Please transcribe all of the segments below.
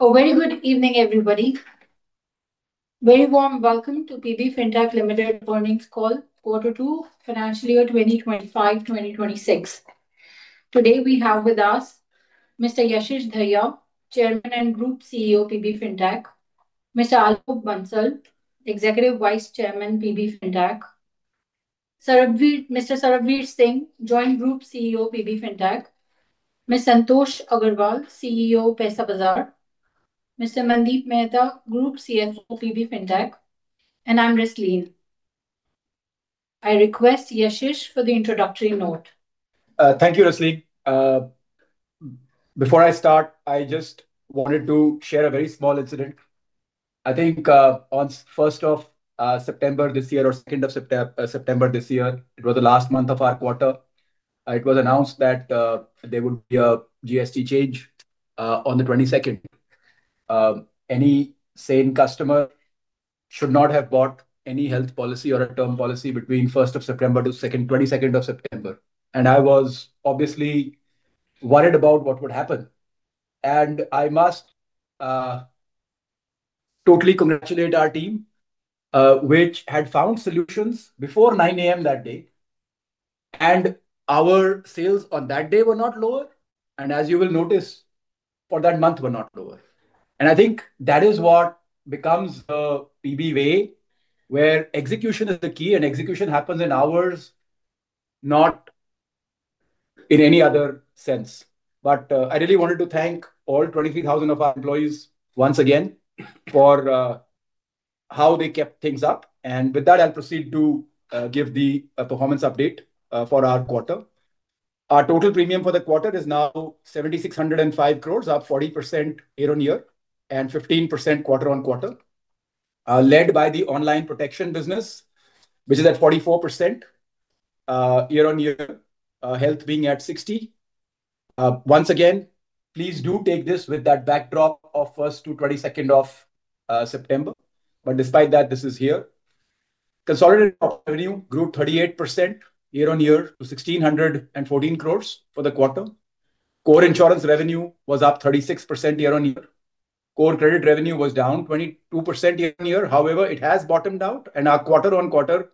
A very good evening everybody. Very warm welcome to PB Fintech Limited earnings call quarter two financial year 2025-2026. Today we have with us Mr. Yashish Dahiya, Chairman and Group CEO, PB Fintech; Mr. Alok Bansal, Executive Vice Chairman, PB Fintech; Mr. Sarbvir Singh, Joint Group CEO, PB Fintech; Ms. Santosh Agarwal, CEO, Paisabazaar; Mr. Mandeep Mehta, Group CFO, PB Fintech; and I'm Rasleen. I request Yashish for the introductory note. Thank you, Rasleen. Before I start, I just wanted to share a very small incident. I think on 1st of September this year or 2nd of September this year, it was the last month of our quarter, it was announced that there would be a GST change on the 22nd. Any sane customer should not have bought any health policy or a term policy between 1st of September to 22nd of September, and I was obviously worried about what would happen. I must totally congratulate our team, which had found solutions before 9:00 A.M. that day, and our sales on that day were not lower, and as you will notice, for that month were not lower. I think that is what becomes the PB way, where execution is the key and execution happens in hours, not in any other sense. I really wanted to thank all 23,000 of our employees once again for how they kept things up, and with that, I'll proceed to give the performance update for our quarter. Our total premium for the quarter is now 7,605 crore, up 40% year-on-year and 15% quarter-on-quarter, led by the online protection business, which is at 44% year-on-year, health being at 60%. Once again, please do take this with that backdrop of 1st to 22nd of September. Despite that, this is here. Consolidated revenue grew 38% year-on-year to 1,614 crore for the quarter. Core insurance revenue was up 36% year-on-year. Core credit revenue was down 22% year-on-year; however, it has bottomed out, and our quarter-on-quarter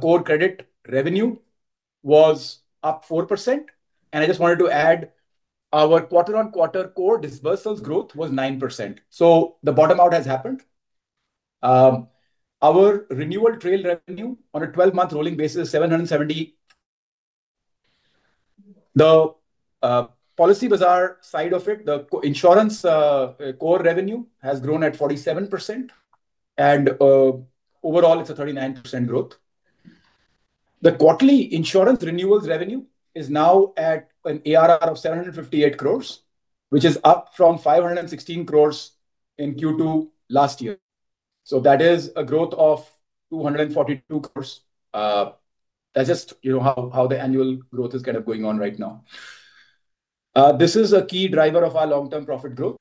core credit revenue was up 4%. I just wanted to add our quarter-on-quarter core dispersals growth was 9%. The bottom out has happened. Our renewal trail revenue on a 12-month rolling basis is 770 crore. The Policybazaar side of it, the insurance core revenue, has grown at 47%, and overall it's a 39% growth. The quarterly insurance renewals revenue is now at an ARR of 758 crore, which is up from 516 crore in Q2 last year. That is a growth of 242 crore. That's just, you know, how the annual growth is kind of going on right now. This is a key driver of our long-term profit growth.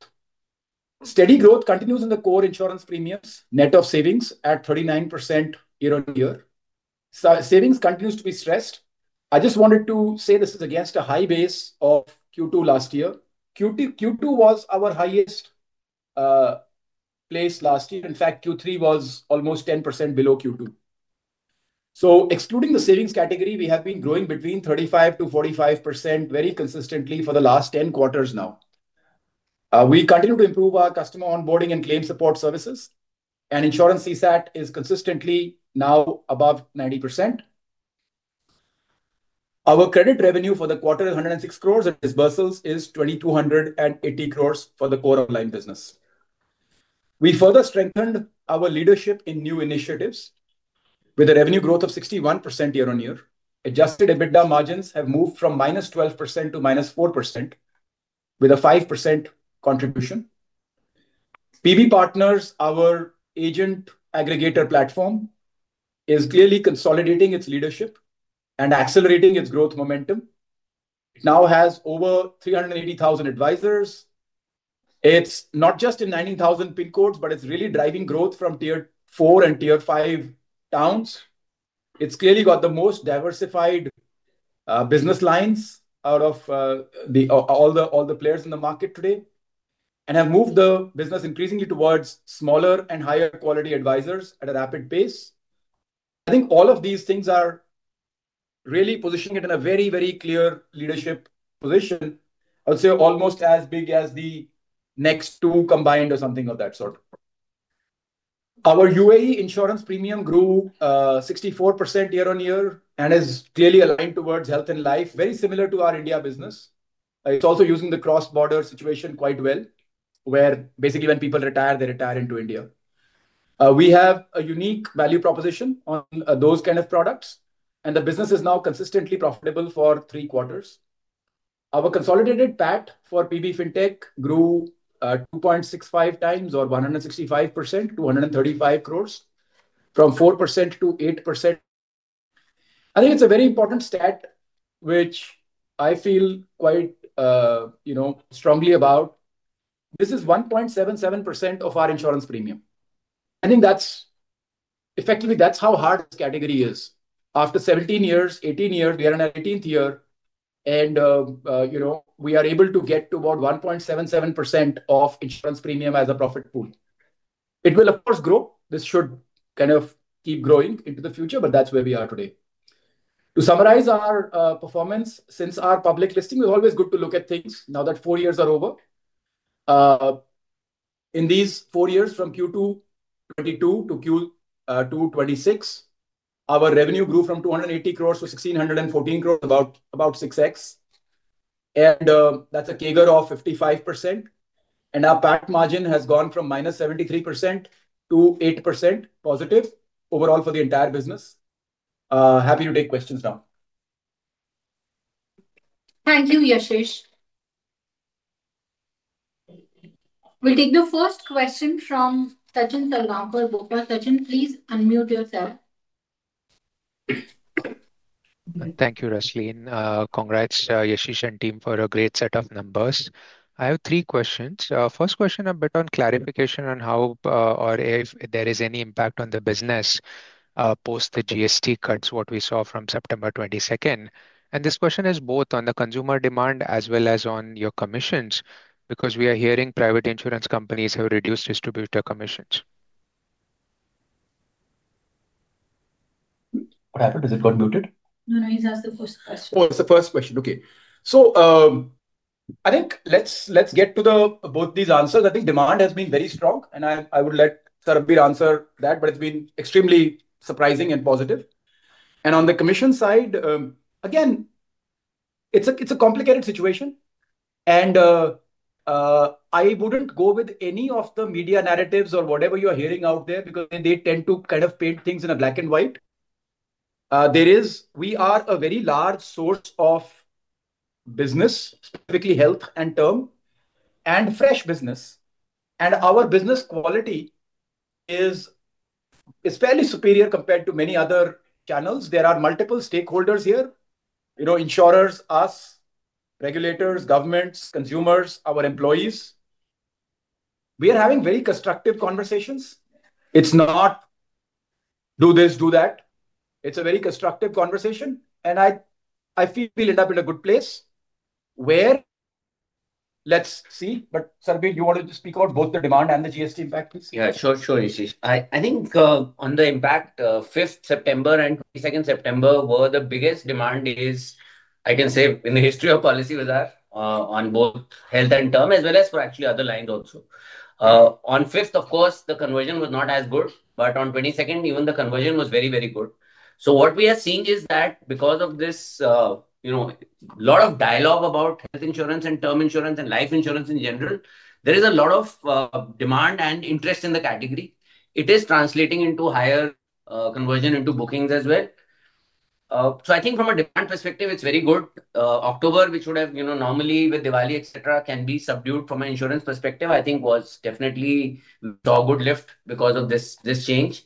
Steady growth continues in the core insurance premiums. Net of savings at 39% in on year, savings continues to be stressed. I just wanted to say this is against a high base of Q2 last year. Q2 was our highest base last year. In fact, Q3 was almost 10% below Q2. Excluding the savings category, we have been growing between 35%-45% very consistently for the last 10 quarters now. We continue to improve our customer onboarding and claim support services, and insurance CSAT is consistently now above 90%. Our credit revenue for the quarter is 106 crores and disbursals is 2,280 crores. For the core online business, we further strengthened our leadership in new initiatives with a revenue growth of 61% year-on-year. Adjusted EBITDA margins have moved from minus 12% to -4% with a 5% contribution. PB Partners, our agent aggregator platform, is clearly consolidating its leadership and accelerating its growth momentum. It now has over 380,000 advisors. It's not just in 19,000 pin codes, but it's really driving growth from tier 4 and tier 5 towns. It's clearly got the most diversified business lines out of all the players in the market today and has moved the business increasingly towards smaller and higher quality advisors at a rapid pace. I think all of these things are really positioning it in a very, very clear leadership position. I would say almost as big as the next two combined or something of that sort. Our UAE insurance premium grew 64% year-on-year and is clearly aligned towards health and life. Very similar to our India business. It's also using the cross border situation quite well where basically when people retire, they retire into India. We have a unique value proposition on those kind of products and the business is now consistently profitable for three quarters. Our consolidated PAT for PB Fintech grew 2.65 times or 165%. 235 crores from 4%-8%. I think it's a very important stat which I feel quite strongly about. This is 1.77% of our insurance premium. I think that's effectively that's how hard this category is. After 17 years, 18 years, we are in our 18th year and we are able to get to about 1.77% of insurance premium as a profit pool. It will of course grow. This should kind of keep growing into the future, but that's where we are today. To summarize, our performance since our public listing is always good to look at things now that four years are over. In these four years, from Q2 2022 to Q2 2026, our revenue grew from 280 crores to 1,614 crores, about 6x, and that's a CAGR of 55%. Our PAT margin has gone from -73% to 8% positive overall for the entire business. Happy to take questions now. Thank you, Yashish. We'll take the first question from Sachin. Sachin, please unmute yourself. Thank you, Rasleen. Congrats Yashish and team for a great set of numbers. I have three questions. First question, a bit on clarification on how or if there is any impact on the business post the GST cuts. What we saw from September 22nd and this question is both on the consumer demand as well as on your commissions because we are hearing private insurance companies have reduced distributor commissions. What happened? Has it got muted? No, no. He's asked the first question. Oh, it's the first question. Okay, so I think let's get to both these answers. I think demand has been very strong and I would let Sarbvir answer that, but it's been extremely surprising and positive. On the commission side, again, it's a complicated situation and I wouldn't go with any of the media narratives or whatever you're hearing out there because they tend to kind of paint things in black and white. We are a very large source of business, specifically health and term and fresh business. Our business quality is fairly superior compared to many other channels. There are multiple stakeholders here, you know, insurers, U.S. regulators, governments, consumers, our employees. We are having very constructive conversations. It's not do this, do that. It's a very constructive conversation and I feel we'll end up in a good place. Let's see. Sarbvir, you want to speak about both the demand and the GST impact, please? Yeah, sure, sure. I think on the impact, 5 September and 22 September were the biggest demand days I can say in the history of Policybazaar on both health and term as well as for actually other lines. Also, on 5th, of course, the conversion was not as good. On 22nd, even the conversion was very, very good. What we are seeing is that because of this, you know, a lot of dialogue about health insurance and term insurance and life insurance in general, there is a lot of demand and interest in the category. It is translating into higher conversion into bookings as well. I think from a demand perspective it's very good. October, which would have, you know, normally with Diwali etc., can be subdued from an insurance perspective, I think definitely saw a good lift because of this change.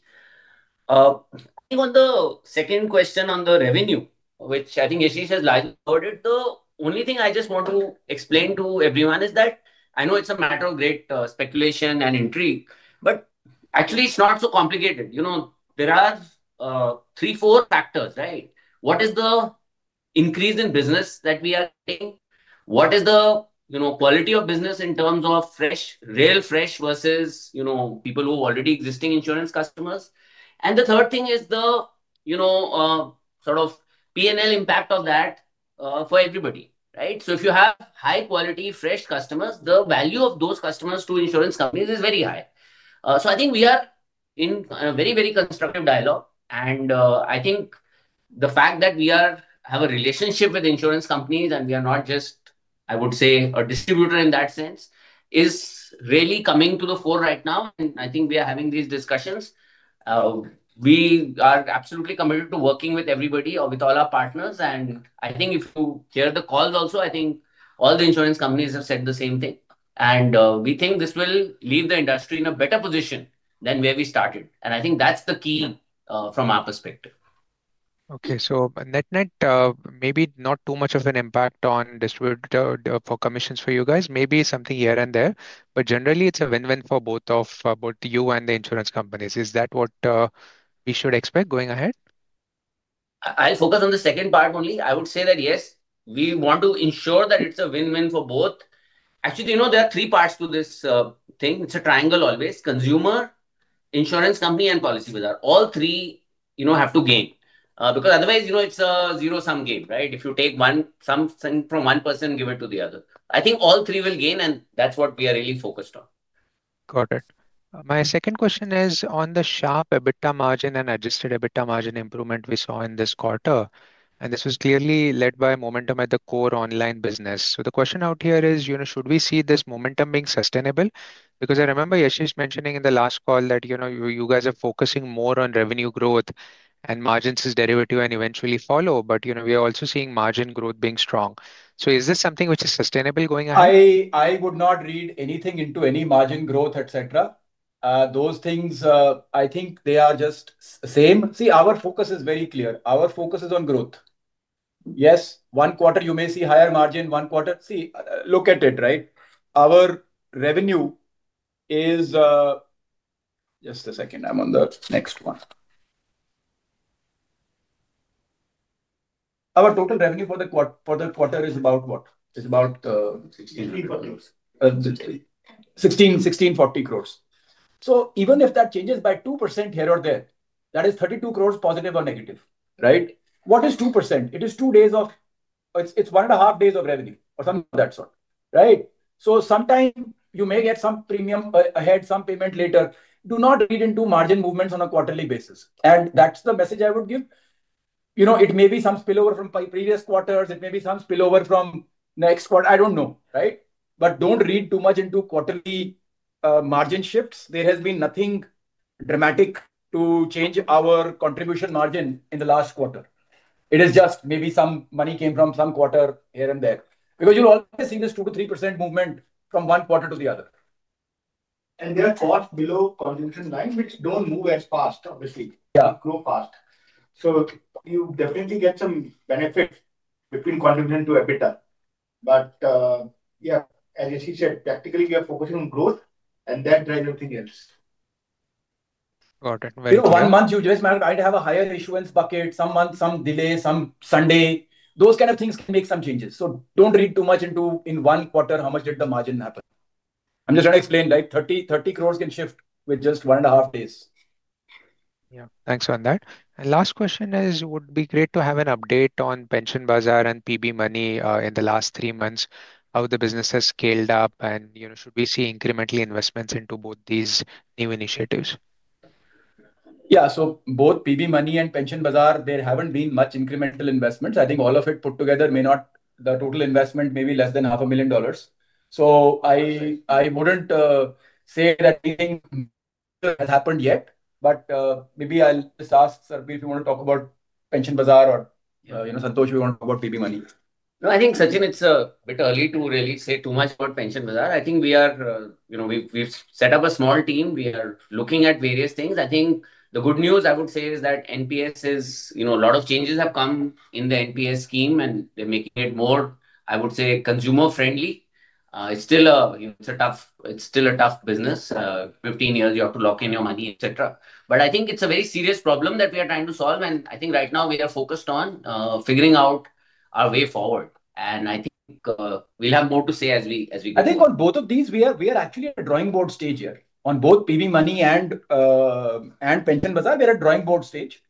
On the second question on the revenue, which I think Yashish has largely addressed, the only thing I just want to explain to everyone is that I know it's a matter of great speculation and intrigue, but actually it's not so complicated. There are three, four factors, right? What is the increase in business that we are seeing? What is the quality of business in terms of fresh, real fresh versus, you know, people who are already existing insurance customers? The third thing is the, you know, sort of P&L impact of that for everybody, right? If you have high quality fresh customers, the value of those customers to insurance companies is very high. I think we are in a very, very constructive dialogue and I think the fact that we have a relationship with insurance companies and we are not just, I would say, a distributor in that sense is really coming to the fore right now. I think we are having these discussions. We are absolutely committed to working with everybody or with all our partners. If you hear the calls also, I think all the insurance companies have said the same thing and we think this will leave the industry in a better position than where we started. I think that's the key from our perspective. Okay, so net net maybe not too much of an impact on distributor commissions for you guys. Maybe something here and there, but generally it's a win-win for both you and the insurance companies. Is that what we should expect going ahead? I'll focus on the second part only. I would say that yes, we want to ensure that it's a win-win for both. Actually, you know, there are three parts to this thing. It's a triangle, always: consumer, insurance company, and Policybazaar. All three, you know, have to gain because otherwise, you know, it's a zero-sum game, right? If you take some from one person, give it to the other, I think all three will gain, and that's what we are really focused on. Got it. My second question is on the sharp EBITDA margin and adjusted EBITDA margin improvement we saw in this quarter. This was clearly led by momentum at the core online business. The question out here is should we see this momentum being sustainable because I remember Yashish mentioning in the last call that you guys are focusing more on revenue growth and margins is derivative and eventually follow. We are also seeing margin growth being strong. Is this something which is sustainable going ahead? I would not read anything into any margin growth, etc. Those things, I think they are just same. Our focus is very clear. Our focus is on growth. Yes, one quarter you may see higher margin, one quarter. Look at it. Our revenue is. Just a second. I'm on the next one. Our total revenue for the quarter is about 1,640 crores. Even if that changes by 2% here or there, that is 32 crores positive or negative. What is 2%? It is two days of. It's one and a half days of revenue or something of that sort. Sometimes you may get some premium ahead, some payment later. Do not read into margin movements on a quarterly basis. That's the message I would give. It may be some spillover from previous quarters, it may be some spillover from next quarter, I don't know. Don't read too much into quarterly margin shifts. There has been nothing dramatic to change our contribution margin in the last quarter. It is just maybe some money came from some quarter here and there because you're always seeing this 2%-3% movement from one quarter to the other. There are costs below contribution line which don't move as fast, obviously grow fast. You definitely get some benefit between contribution to EBITDA. As he said, practically we are focusing on growth and that drives everything else. Got it. One month you just have a higher issuance bucket. Some months, some delay, some Sunday, those kind of things can make some changes. Don't read too much into in one quarter how much did the margin happen. I'm just trying to explain like 30 crores can shift with just one and a half days. Yeah, thanks on that. Last question is would be great to have an update on Pension Bazaar and PB Money in the last three months. How the business has scaled up and should we see incremental investments into both these new initiatives? Yeah. Both PB Money and Pension Bazaar, there haven't been much incremental investments. I think all of it put together may not. The total investment may be less than $0.5 million. I wouldn't say that anything has happened yet, but maybe I'll just ask Sarbvir if you want to talk about Pension Bazaar or, you know, Santosh, we want to talk about PB Money. No, I think Sachin, it's a bit early to really say too much about Pension Bazaar. I think we are, you know, we've set up a small team, we are looking at various things. The good news I would say is that NPS is, you know, a lot of changes have come in the NPS scheme and they're making it more, I would say, consumer friendly. It's still a tough business. Fifteen years you have to lock in your money, etc. I think it's a very serious problem that we are trying to solve. Right now we are focused on figuring out our way forward and I think we'll have more to say as we go. I think on both of these we are actually at a drawing board stage here. On both PB Money and Pension Bazaar we are at drawing board stage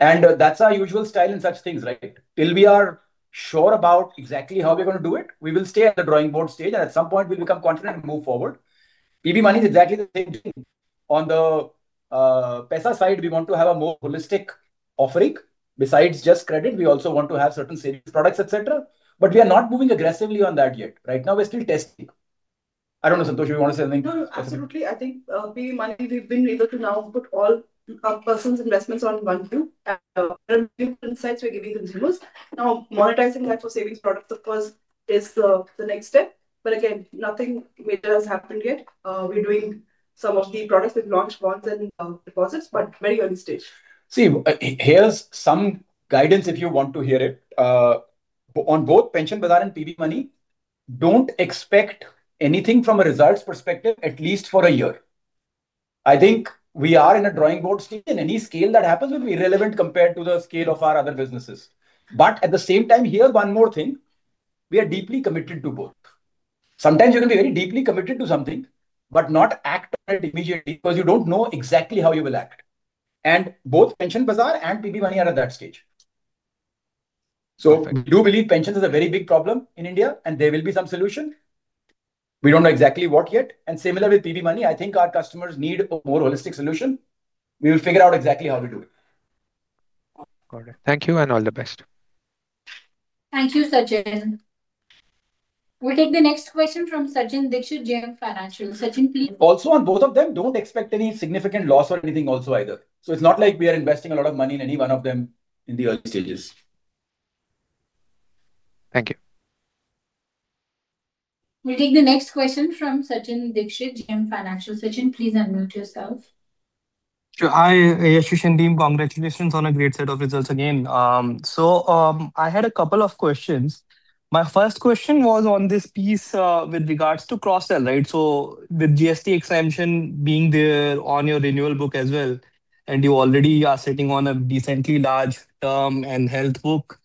and that's our usual style in such things. Right. Till we are sure about exactly how we're going to do it, we will stay at the drawing board stage, and at some point we'll become confident and move forward. PB Money is exactly the same thing. On the Paisabazaar side, we want to have a more holistic offering; besides just credit, we also want to have certain sales products, etc. We are not moving aggressively on that yet. Right now we're still testing. I don't know. Santosh, you want to say something? Absolutely. I think we've been able to now put all a person's investments on one view, insights. We're giving consumers now. Monetizing that for savings products, of course, is the next step. Nothing major has happened yet. We're doing some of the products with launch bonds and deposits, but very early stage. See, here's some guidance if you want to hear it. On both Pension Bazaar and PB Money, don't expect anything from a results perspective at least for a year. I think we are in a drawing board, and any scale that happens will be irrelevant compared to the scale of our other businesses. At the same time, here is one more thing. We are deeply committed to both. Sometimes you can be very deeply committed to something but not act on it immediately because you don't know exactly how you will act. Both Pension Bazaar and PB Money are at that stage. Do you believe pensions is a very big problem in India and there will be some solution? We don't know exactly what yet. Similar with PB Money, I think our customers need a more holistic solution, we will figure out exactly how to do it. Thank you and all the best. Thank you, Sachin. We'll take the next question from Sachin Dixit, JM Financial. Sachin, please. Also, on both of them, don't expect any significant loss or anything either. It's not like we are investing a lot of money in any one of them in the early stages. Thank you. We'll take the next question from Sachin Dixit, JM Financial. Sachin, please unmute yourself. Congratulations on a great set of results again. I had a couple of questions. My first question was on this piece with regards to cross sell, right? With GST exemption being there on your renewal book as well, and you already are sitting on a decently large term and health book,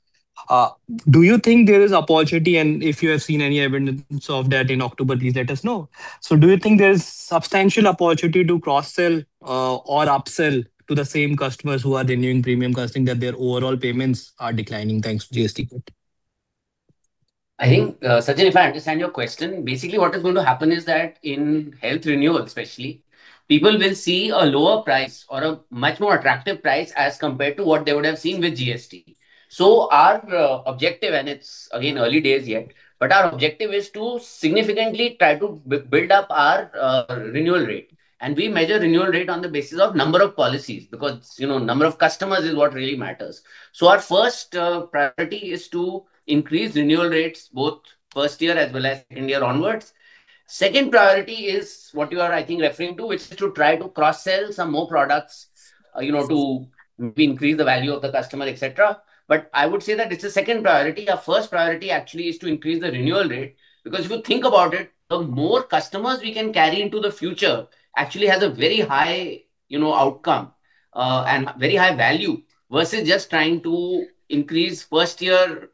do you think there is opportunity and if you have seen any evidence of that in October, please let us know. Do you think there's substantial opportunity to cross sell or upsell to the same customers who are renewing premium, casting that their overall payments are declining thanks to GST? I think Sajan, if I understand your question, basically what is going to happen is that in health renewal especially people will see a lower price or a much more attractive price as compared to what they would have seen with GST. Our objective, and it's again early days yet, is to significantly try to build up our renewal rate and we measure renewal rate on the basis of number of policies because number of customers is what really matters. Our first priority is to increase renewal rates both first year as well as second year onwards. The second priority is what you are, I think, referring to, which is to try to cross-sell some more products to increase the value of the customer, etc. I would say that it's the second priority. Our first priority actually is to increase the renewal rate because if you think about it, the more customers we can carry into the future actually has a very high outcome and very high value versus just trying to increase first year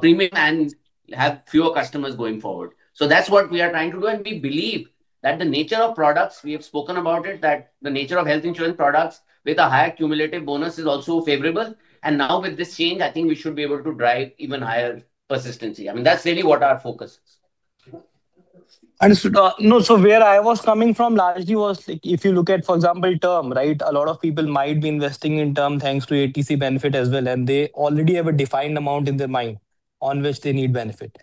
premium and have fewer customers going forward. That's what we are trying to do and we believe that the nature of products, we have spoken about it, that the nature of health insurance products with a higher cumulative bonus is also favorable. Now with this change I think we should be able to drive even higher persistency. I mean that's really what our focus is understood. No, where I was coming from largely was if you look at, for example, term, right, a lot of people might be investing in term thanks to ATC benefit as well, and they already have a defined amount in their mind on which they need benefit.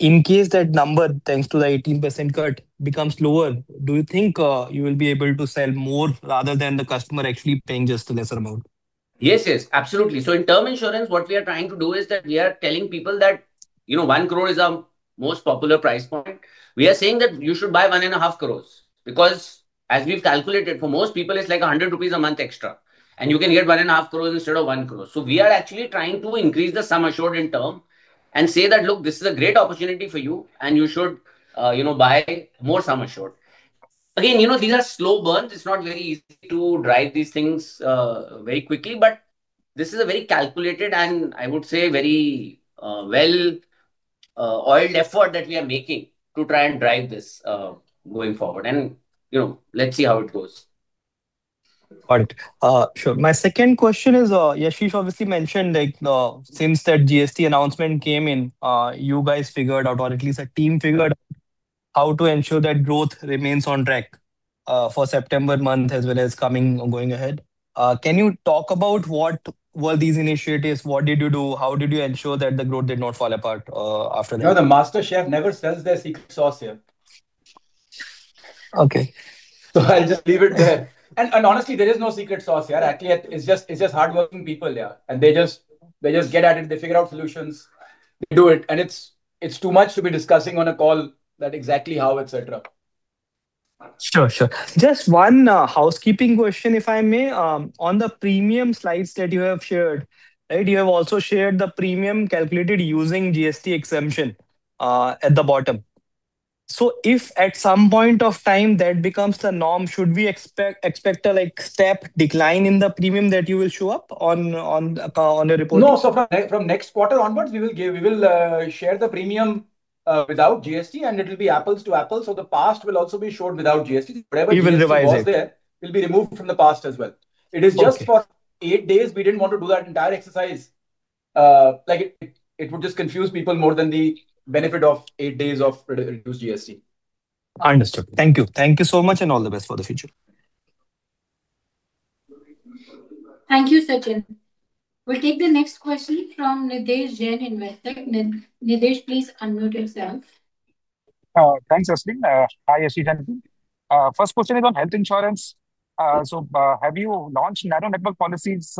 In case that number, thanks to the 18 cut, becomes lower, do you think you will be able to sell more rather than the customer actually paying just the lesser amount? Yes, yes, absolutely. In term insurance what we are trying to do is that we are telling people that, you know, 1 crore is our most popular price point. We are saying that you should buy 1.5 crores because as we've calculated for most people it's like 100 rupees a month extra and you can get 1.5 crores instead of 1 crore. We are actually trying to increase the sum assured in term and say that look, this is a great opportunity for you and you should buy more sum assured. Again, these are slow burns. It's not very easy to drive these things very quickly. This is a very calculated and I would say very well-oiled effort that we are making to try and drive this going forward. Let's see how it goes. Got it. Sure. My second question is Yashish obviously mentioned since that GST announcement came in, you guys figured out or at least a team figured out how to ensure that growth remains on track for September month as well as coming, going ahead. Can you talk about what were these initiatives? What did you do? How did you ensure that the growth did not fall apart after that? You know the master chef never sells their secret sauce here. Okay. I'll just leave it there. Honestly, there is no secret sauce here. Actually, it's just hardworking people there and they just get at it. They figure out solutions, they do it and it's too much to be discussing on a call exactly how. Sure. Just one housekeeping question if I may. On the premium slides that you have shared, you have also shared the premium calculated using GST exemption at the bottom. If at some point of time that becomes the norm, should we expect a step decline in the premium that you will show up on your report? No. From next quarter onwards we will share the premium without GST and it will be apples to apples. The past will also be shown without GST. Whatever will be removed from the past as well. It is just for eight days. We didn't want to do that entire exercise because it would just confuse people more than the benefit of eight days of reduced GST. Understood. Thank you. Thank you so much and all the best for the future. Thank you, Sachin. We'll take the next question from Nitesh Jain, Investor N. Please unmute yourself. Thanks. Hi. First question is on health insurance. Have you launched narrow network policies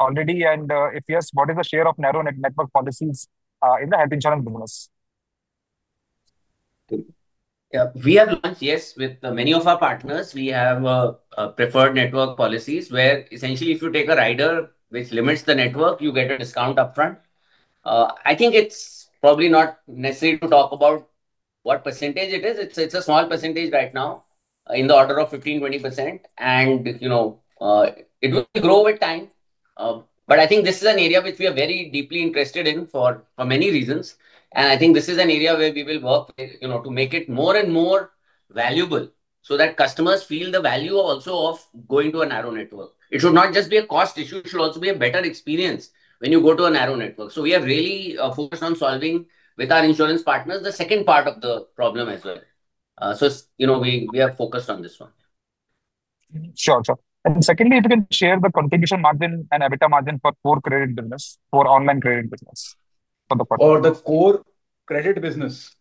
already? If yes, what is the share of narrow network policies in the health insurance bonus? We have launched, yes. With many of our partners, we have preferred network policies where essentially if you take a rider which limits the network, you get a discount upfront. I think it's probably not necessary to talk about what percentage it is. It's a small percentage right now in the order of 15%-20% and it will grow with time. I think this is an area which we are very deeply interested in for many reasons. I think this is an area where we will work to make it more and more valuable so that customers feel the value also of going to a narrow network. It should not just be a cost issue, it should also be a better experience when you go to a narrow network. We are really focused on solving with our insurance partners the second part of the problem as well. We are focused on this one. Sure. Secondly, if you can share the configuration margin and EBITDA margin for core credit business, for online credit business, for the core credit business.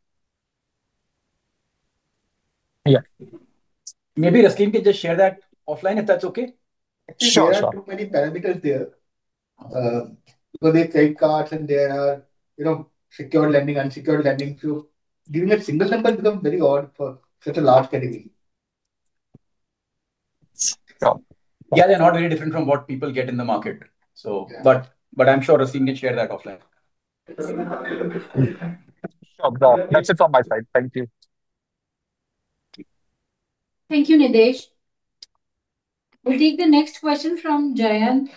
Maybe Rasleen can just share that offline, if that's okay. Sure. Too many parameters. There are credit cards and there are secured lending, unsecured lending. Giving a single symbol becomes very odd for such a large category. They're not very different from what people get in the market. I'm sure Rasleen can share that. That's it from my side. Thank you. Thank you, Nadesh. We'll take the next question from Jayant,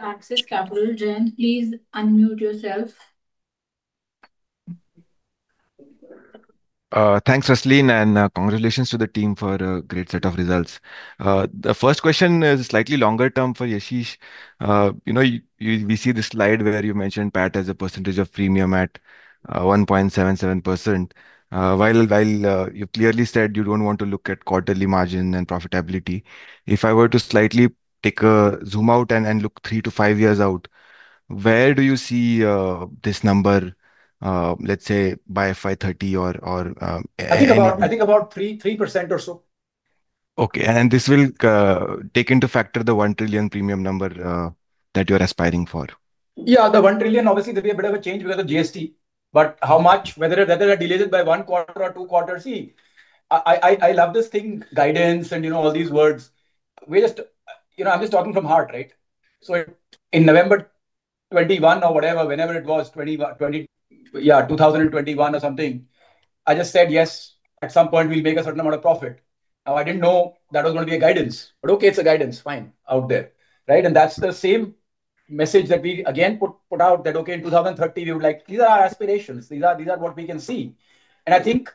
Access Capital. Please unmute yourself. Thanks, Rasleen, and congratulations to the team for a great set of results. The first question is slightly longer term for Yashish. You know, you. We see the slide where you mentioned PAT as a percentage of premium at 1.77%. While you clearly said you don't want to look at quarterly margin and profitability, if I were to slightly take a zoom out and look three to five years out, where do you see this number? Let's say by FY30 or, or I think about, I think about 3%. Okay. And this will take into factor the 1 trillion premium number that you're aspiring for. Yeah, the 1 trillion. Obviously there'll be a bit of a change because of GST, but how much whether I delay it by one quarter or two quarters. See, I love this thing, guidance and you know, all these words. I'm just talking from heart. Right. So in November 21st or whatever, whenever it was 2020. Yeah, 2021 or something, I just said yes, at some point we'll make a certain amount of profit. Now I didn't know that was going to be a guidance, but okay, it's a guidance fine out there. Right. And that's the same message that we again put out that okay, in 2030 we would like these are our aspirations, these are, these are what we can see. I think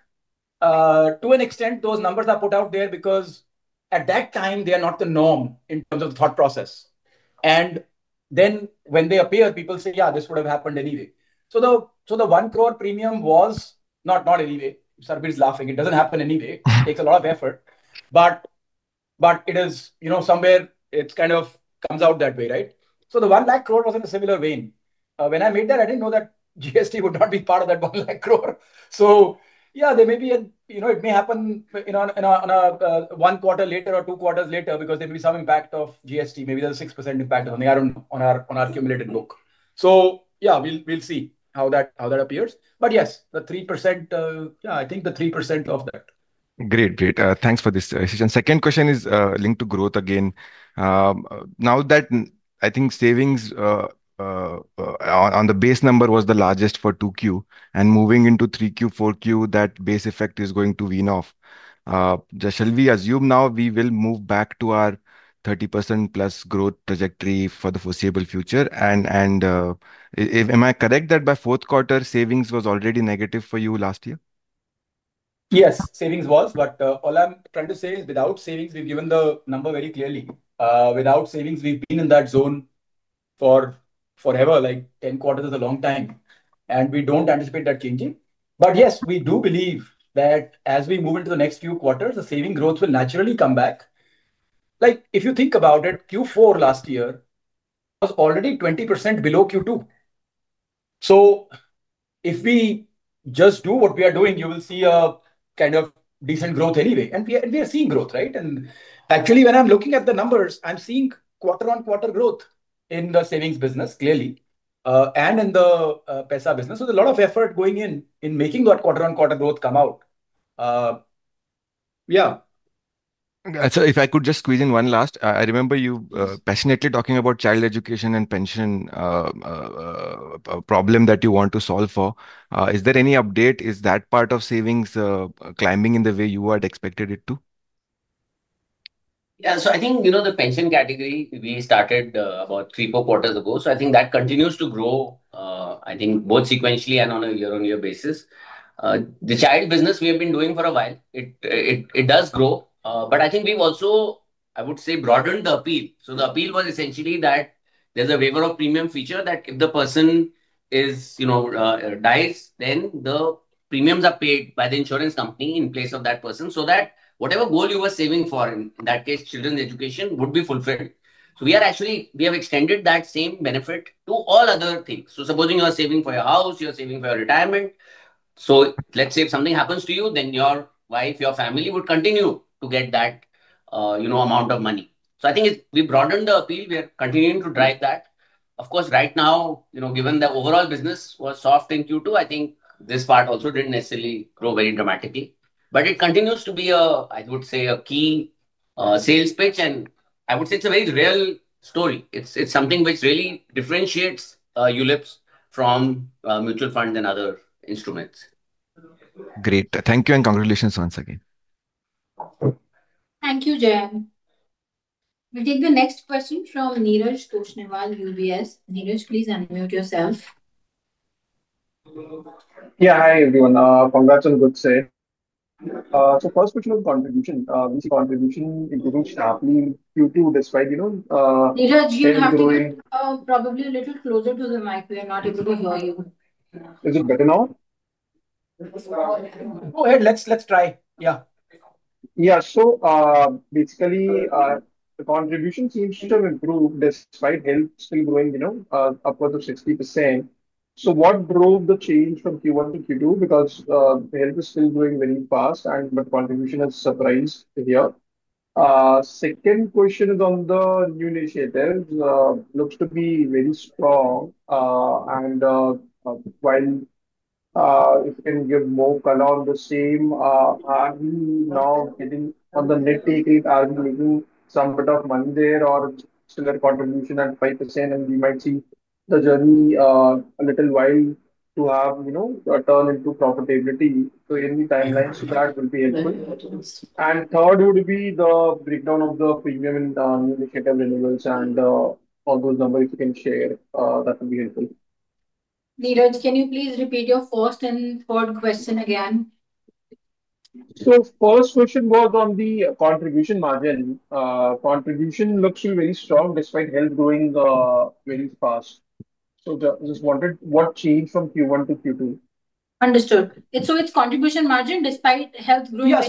to an extent those numbers are put out there because at that time they are not the norm in terms of thought process. When they appear people say yeah, this would have happened anyway. The 1 crore premium was not, not anyway. Somebody's laughing. It doesn't happen anyway. Takes a lot of effort, but it is, you know, somewhere it kind of comes out that way. The 1 lakh crore was in a similar vein when I made that, I didn't know that GST would not be part of that 1 lakh crore. So yeah, there may be, you know, it may happen, you know, one quarter later or two quarters later because there may be some impact of GST. Maybe there's a 6% impact on our cumulative book. We'll see how that appears. Yes, the 3%. Yeah, I think the 3% of that. Great, great, thanks for this. Second question is linked to growth again. Now that I think savings on the base number was the largest for Q2 and moving into Q3, Q4 that base effect is going to wean off. Shall we assume now we will move back to our 30% plus growth trajectory for the foreseeable future? Am I correct that by fourth quarter savings was already negative for you last year? Yes, savings was. All I'm trying to say is without savings, we've given the number very clearly. Without savings, we've been in that zone for forever. Like 10 quarters is a long time, and we don't anticipate that changing. Yes, we do believe that as we move into the next few quarters, the saving growth will naturally come back. If you think about it, Q4 last year was already 20% below Q2. If we just do what we are doing, you will see a kind of decent growth anyway. We are seeing growth, right. Actually, when I'm looking at the numbers, I'm seeing quarter-on-quarter growth in the savings business clearly and in the Paisabazaar business. There's a lot of effort going in making that quarter-on-quarter growth come out. If I could just squeeze in one last, I remember you passionately talking about child education and pension problem that you want to solve for. Is there any update? Is that part of savings climbing in the way you had expected it to? Yeah. I think, you know, the pension category we started about three, four quarters ago continues to grow, both sequentially and on a year-on-year basis. The child business we have been doing for a while does grow, but I think we've also, I would say, broadened the appeal. The appeal was essentially that there's a waiver of premium feature that if the person dies, then the premiums are paid by the insurance company in place of that person so that whatever goal you were saving for, in that case children's education, would be fulfilled. We have extended that same benefit to all other things. Supposing you are saving for your house or you are saving for your retirement, if something happens to you, then your wife, your family would continue to get that amount of money. I think we broadened the appeal. We are continuing to drive that. Of course, right now, given the overall business was soft in Q2, this part also didn't necessarily grow very dramatically. It continues to be, I would say, a key sales pitch and it's a very real story. It's something which really differentiates ULIPs from mutual funds and other instruments. Great, thank you and congratulations once again. Thank you. We'll take the next question from Neeraj Kushnival, UBS. Neeraj, please unmute yourself. Yeah. Hi everyone. Congrats on good sir. First question of contribution. YouTube despite, you know. Probably a little closer to the mic, we are not able to hear you. Is it better now? Go ahead, let's try. Yeah. Yeah. So basically the contribution seems to have improved despite health still growing upwards of 60%. What drove the change from Q1 to Q2? Health is still growing very fast, and contribution has surprised here. Second question is on the new initiatives, looks to be very strong, and while you can give more color on the same. Are we now getting on the net? Take it. Are we making some bit of money there or similar contribution at 5%, and we might see the journey a little while to have, you know, turn into profitability. Any timelines that will be helpful. Third would be the breakdown of the premium initiative renewals and all those numbers you can share. That would be helpful. Neeraj, can you please repeat your first and third question again? The first question was on the contribution margin. Contribution looks very strong despite health growing very fast. Just wanted what changed from Q1 to Q2. Understood. It's contribution margin despite health growing. Yeah,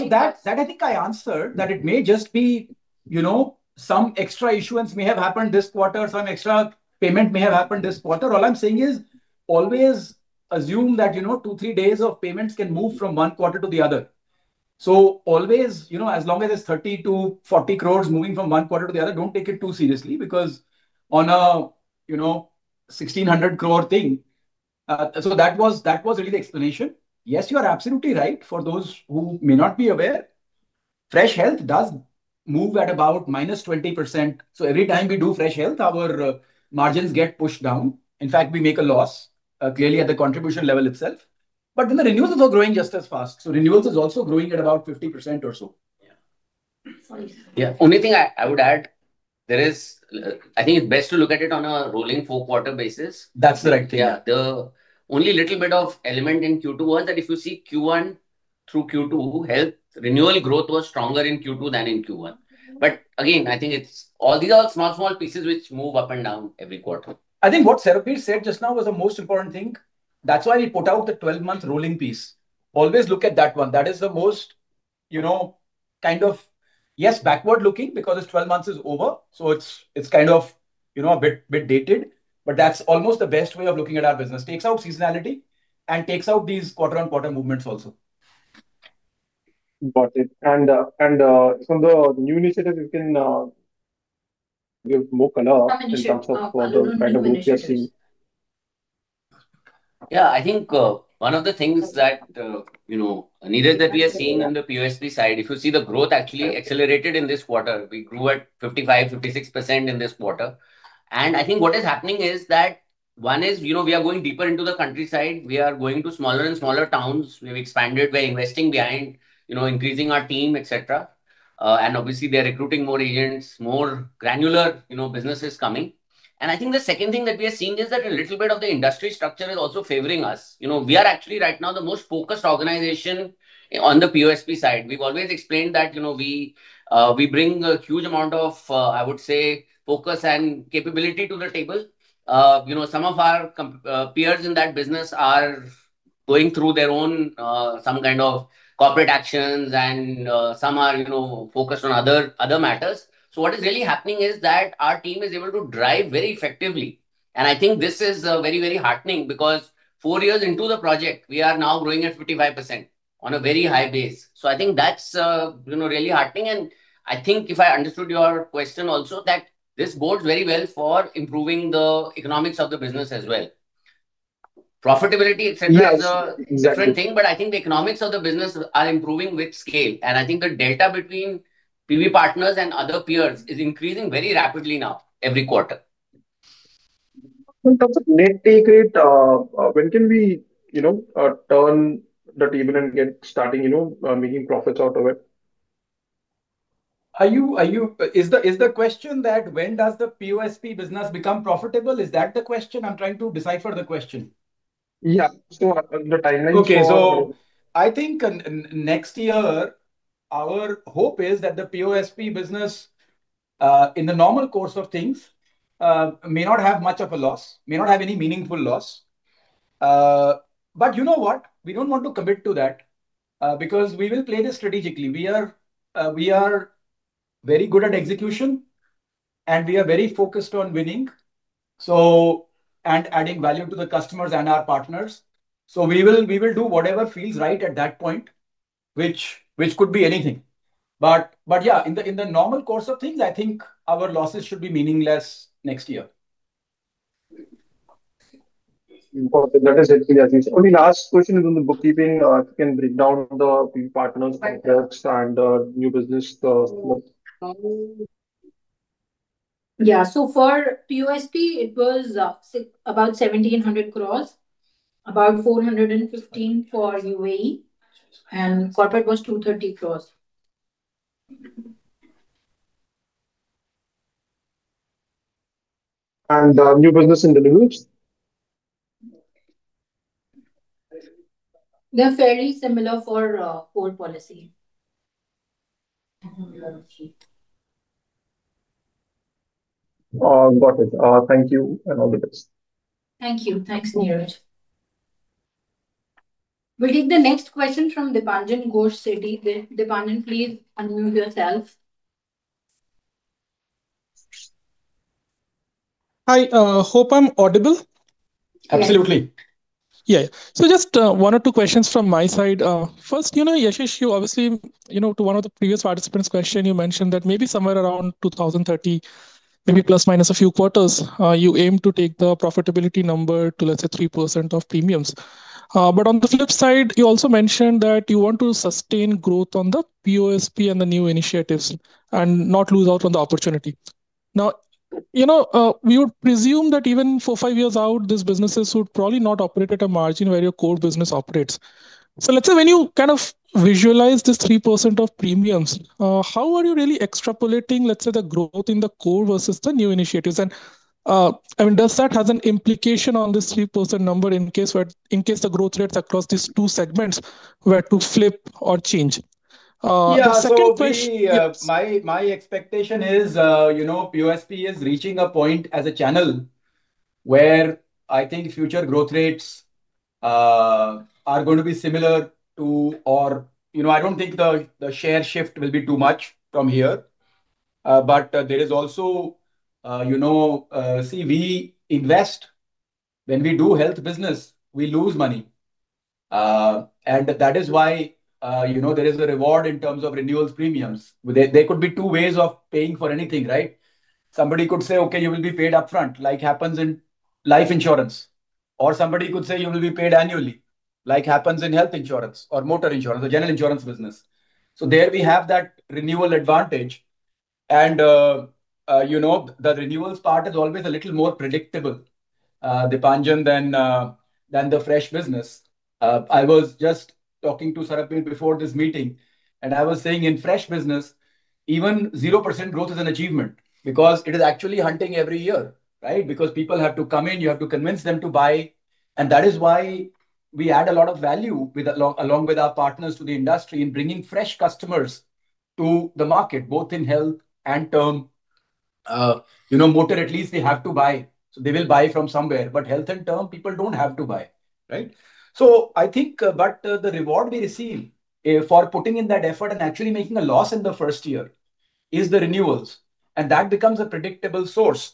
I think I answered that. It may just be, you know, some extra issuance may have happened this quarter. Some extra payment may have happened this quarter. All I'm saying is always assume that, you know, two or three days of payments can move from one quarter to the other. Always, you know, as long as it's 30 to 40 crore moving from one quarter to the other, don't take it too seriously because on a, you know, 1,600 crore thing. That was really the explanation. Yes, you are absolutely right. For those who may not be aware, Fresh Health does move at about -20%. Every time we do Fresh Health, our margins get pushed down. In fact, we make a loss clearly at the contribution level itself, but then the renewals are growing just as fast. Renewals is also growing at about 50% or so. Yeah. Only thing I would add, I think it's best to look at it on a rolling four quarter basis. That's the right thing. Yeah. The only little bit of element in Q2 was that if you see Q1 through Q2, renewal growth was stronger in Q2 than in Q1. I think it's all these are small, small pieces which move up and down every quarter. I think what Rasleen Kaur said just now was the most important thing. That's why we put out the 12-month rolling piece. Always look at that one. That is the most, you know, kind of, yes, backward looking because it's 12 months is over. It's kind of, you know, a bit dated, but that's almost the best way of looking at our business. It takes out seasonality and takes out these quarter-on-quarter movements also. Got it. Some of the new initiatives, you can give more color in terms of the kind of moves you're seeing. Yeah, I think one of the things that we are seeing in the POSP side, if you see, the growth actually accelerated in this quarter. We grew at 55%, 56% in this quarter. I think what is happening is that one is we are going deeper into the countryside. We are going to smaller and smaller towns. We have expanded, we are investing behind increasing our team, etc. Obviously, they are recruiting more agents, more granular business is coming. I think the second thing that we are seeing is that a little bit of the industry structure is also favoring us. We are actually right now the most focused organization on the POSP side. We've always explained that we bring a huge amount of, I would say, focus and capability to the table. Some of our peers in that business are going through their own some kind of corporate actions and some are focused on other matters. What is really happening is that our team is able to drive very effectively. I think this is very, very heartening because four years into the project, we are now growing at 55% on a very high base. I think that's really heartening. If I understood your question also, this bodes very well for improving the economics of the business as well. Profitability, etc. is a different thing. I think the economics of the business are improving with scale. The delta between PB Partners and other peers is increasing very rapidly now every quarter. In terms of net take rate, when can we turn the table and get started making profits out of it? Is the question that when does the POSP business become profitable? Is that the question? I'm trying to decipher the question. Yeah. The timeline, I think next year our hope is that the POSP business, in the normal course of things, may not have much of a loss, may not have any meaningful loss. You know what, we don't want to commit to that because we will play this strategically. We are very good at execution and we are very focused on winning and adding value to the customers and our partners. We will do whatever feels right at that point, which could be anything. In the normal course of things, I think our losses should be meaningless next year. Last question is on the bookkeeping. Can you break down the partners and new business. Yeah. For POSP, it was about 1,700 crore, about 415. For UAE and corporate, it was 230. Cross. New business interviews. They're very similar for core policy. Got it. Thank you. All the best. Thank you. Thanks, Neeraj. We'll take the next question from Depanjan Ghosh, City Dependent. Please unmute yourself. Hi. Hope I'm audible. Absolutely. Yeah. Just one or two questions from my side first. You know, Yashish, you obviously, you know, to one of the previous participants' question, you mentioned that maybe somewhere around 2030, maybe plus minus a few quarters, you aim to take the profitability number to let's say 3% of premiums. On the flip side, you also mentioned that you want to sustain growth on the POSP and the new initiatives and not lose out on the opportunity. Now, you know, we would presume that even four, five years out, these businesses would probably not operate at a margin where your core business operates. Let's say when you kind of visualize this 3% of premiums, how are you really extrapolating, let's say, the growth in the core versus the new initiatives? I mean, does that have an implication on this 3% number in case the growth rates across these two segments were to flip or change? My expectation is, you know, POSP is reaching a point as a channel where I think future growth rates are going to be similar to, or, you know, I don't think the share shift will be too much from here. There is also, you know, see, we invest when we do health business, we lose money. That is why, you know, there is a reward in terms of renewals, premiums. There could be two ways of paying for anything, right? Somebody could say, okay, you will be paid up front like happens in life insurance. Or somebody could say you will be paid annually like happens in health insurance or motor insurance, the general insurance business. There we have that renewal advantage. You know, the renewals part is always a little more predictable, the Panjan than the fresh business. I was just talking to Sarbvir before this meeting and I was saying in fresh business, even 0% growth is an achievement because it is actually hunting every year, right? People have to come in, you have to convince them to buy. That is why we add a lot of value along with our partners to the industry in bringing fresh customers to the market, both in health and term. You know, motor at least they have to buy so they will buy from somewhere. Health and term people don't have to buy, right? I think the reward we receive for putting in that effort and actually making a loss in the first year is the renewals and that becomes a predictable source.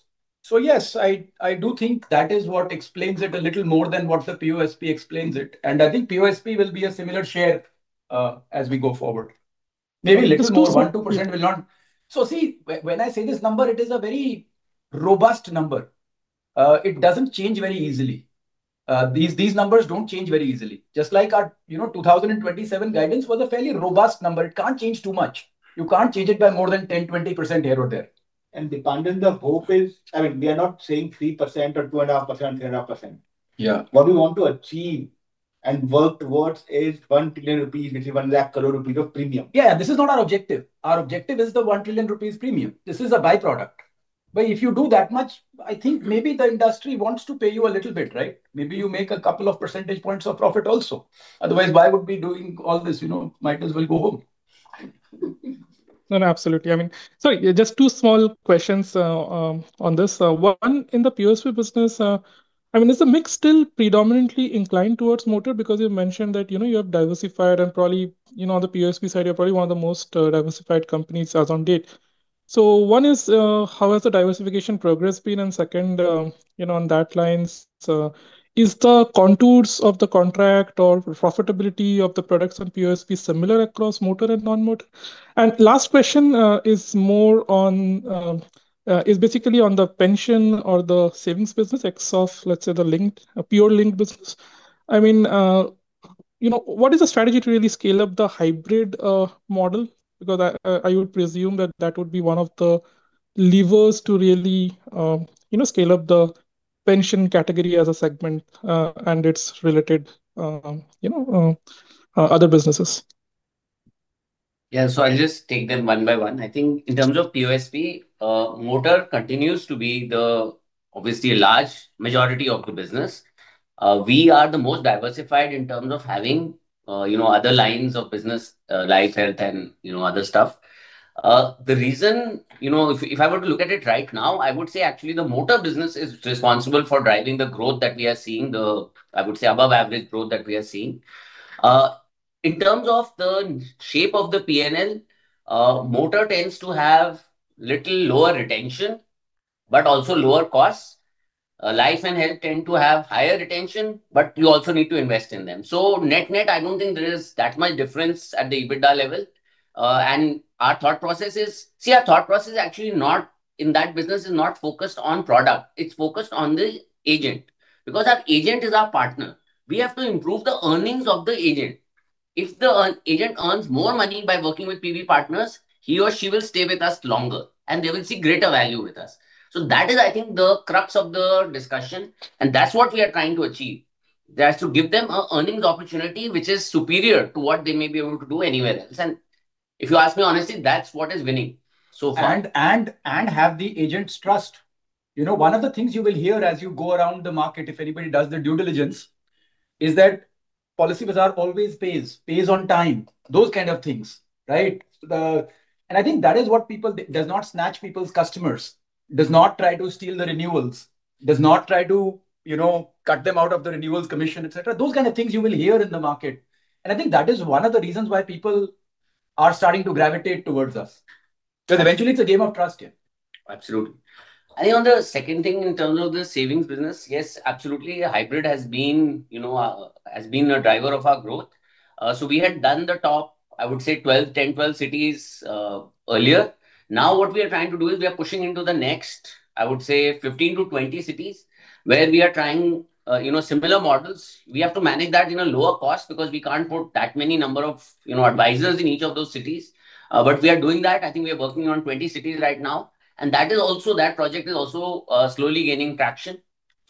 Yes, I do think that is what explains it a little more than what the POSP explains it. I think POSP will be a similar share as we go forward, maybe a little more. 1%, 2% will not. When I say this number, it is a very robust number. It doesn't change very easily. These numbers don't change very easily. Just like our 2027 guidance was a fairly robust number. It can't change too much. You can't change it by more than 10%, 20% here or there. The hope is, I mean we are not saying 3% or 2.5%, 3.5%. What do you want to achieve and work towards is 1 trillion rupees, 1 lakh crore rupees of premium. This is not our objective. Our objective is the 1 trillion rupees premium. This is a byproduct. If you do that much, I think maybe the industry wants to pay you a little bit. Maybe you make a couple of percentage points of profit also. Otherwise, why would we be doing all this? Might as well go home. No, absolutely. Sorry, just two small questions on this one. In the POSP business, is the mix still predominantly inclined towards motor? Because you mentioned that you have diversified and probably on the POSP side you're probably one of the most diversified companies as on date. One is how has the diversification progress been and second, on that line, is the contours of the contract or profitability of the products on POSP similar across motor and non-motor? Last question is basically on the pension or the savings business, excluding let's say the linked, a pure linked business. What is the strategy to really scale up the hybrid model? I would presume that would be one of the levers to really scale up the pension category as a segment and its related other businesses. Yeah. I'll just take them one by one. I think in terms of POSP Motor, it continues to be obviously a large majority of the business. We are the most diversified in terms of having, you know, other lines of business, life, health, and, you know, other stuff. The reason, you know, if I were to look at it right now, I would say actually the motor business is responsible for driving the growth that we are seeing. I would say above average growth that we are seeing in terms of the shape of the PNL. Motor tends to have a little lower retention but also lower costs. Life and health tend to have higher retention but you also need to invest in them. Net net, I don't think there is that much difference at the EBITDA level. Our thought process is, see, our thought process actually in that business is not focused on product, it's focused on the agent. Because our agent is our partner. We have to improve the earnings of the agent. If the agent earns more money by working with PB Partners, he or she will stay with us longer and they will see greater value with us. That is, I think, the crux of the discussion and that's what we are trying to achieve. That's to give them an earnings opportunity which is superior to what they may be able to do anywhere else. If you ask me honestly, that's what is winning so far. And is having the agents' trust. One of the things you will hear as you go around the market, if anybody does the due diligence, is that Policybazaar always pays on time, those kind of things. I think that Policybazaar does not snatch people's customers, does not try to steal the renewals, does not try to cut them out of the renewals, commission, etc. Those kind of things you will hear in the market. I think that is one of the reasons why people are starting to gravitate towards us because eventually it's a game of trust. Absolutely. Any other second thing in terms of the savings business? Yes, absolutely. Hybrid has been a driver of our growth. We had done the top, I would say, 10, 12 cities earlier. Now we are pushing into the next, I would say, 15 to 20 cities where we are trying similar models. We have to manage that at a lower cost because we can't put that many advisors in each of those cities, but we are doing that. I think we are working on 20 cities right now, and that project is also slowly gaining traction.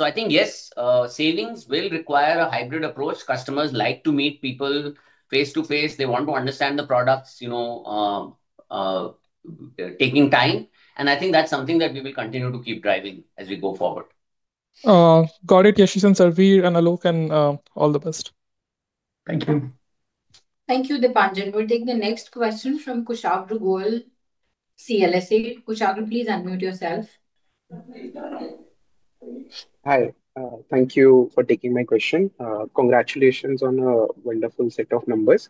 I think yes, savings will require a hybrid approach. Customers like to meet people face to face. They want to understand the products, taking time. I think that's something that we will continue to keep driving as we go forward. Got it. Yashish, Sarbvir and Alok, and all the best. Thank you. Thank you, Dipanjan. We'll take the next question from Kushagra Goel, CLSA. Kushagra, please unmute yourself. Hi, thank you for taking my question. Congratulations on a wonderful set of numbers.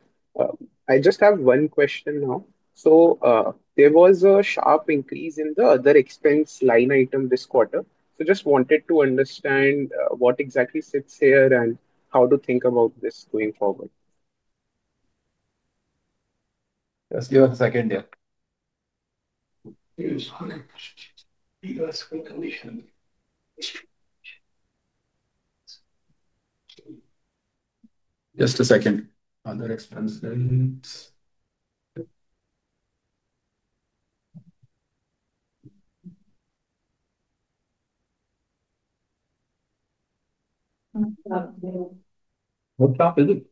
I just have one question now. There was a sharp increase in the other expense line item this quarter. I just wanted to understand what exactly sits here and how to think about this going forward. Just give a second. Yeah, just a second. Other expense. What sharp is it?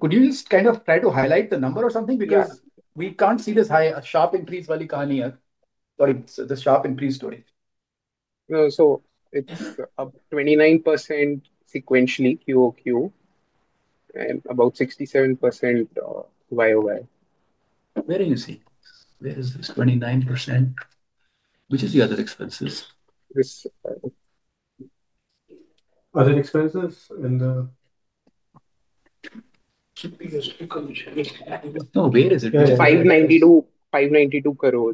Could you just kind of try to highlight the number or something because we can't see this high. A sharp increase. Sorry, the sharp increase story. No. It's up 29% sequentially QoQ and about 67% y o y. Where do you see there is this 29 which is the other expenses. Other expenses in the. No, where is it? 592. 592 crore.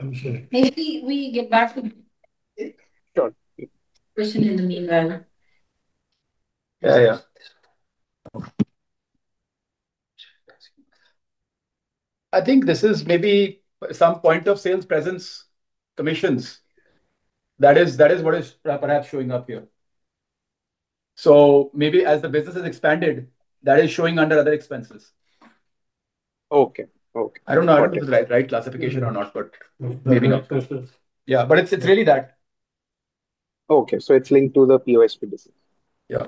I'm sorry, maybe we get back to the person in the meanwhile. Yeah, yeah. I think this is maybe some point of sales presence commissions. That is what is perhaps showing up here. Maybe as the business has expanded, that is showing under other expenses. Okay, okay. I don't know right classification or not, but maybe not. Yeah, but it's really that. Okay, so it's linked to the POSP. Yeah.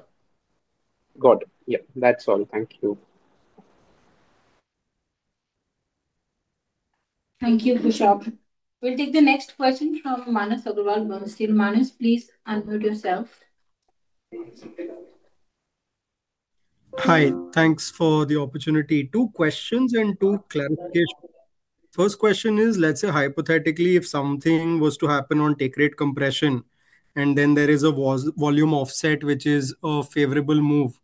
Got it. Yeah. That's all. Thank you. Thank you. We'll take the next question from Manas Agarwal. Manas, please unmute yourself. Hi, thanks for the opportunity. Two questions and two clarifications. First question is let's say hypothetically if something was to happen on take rate compression and then there is a volume offset which is a favorable move,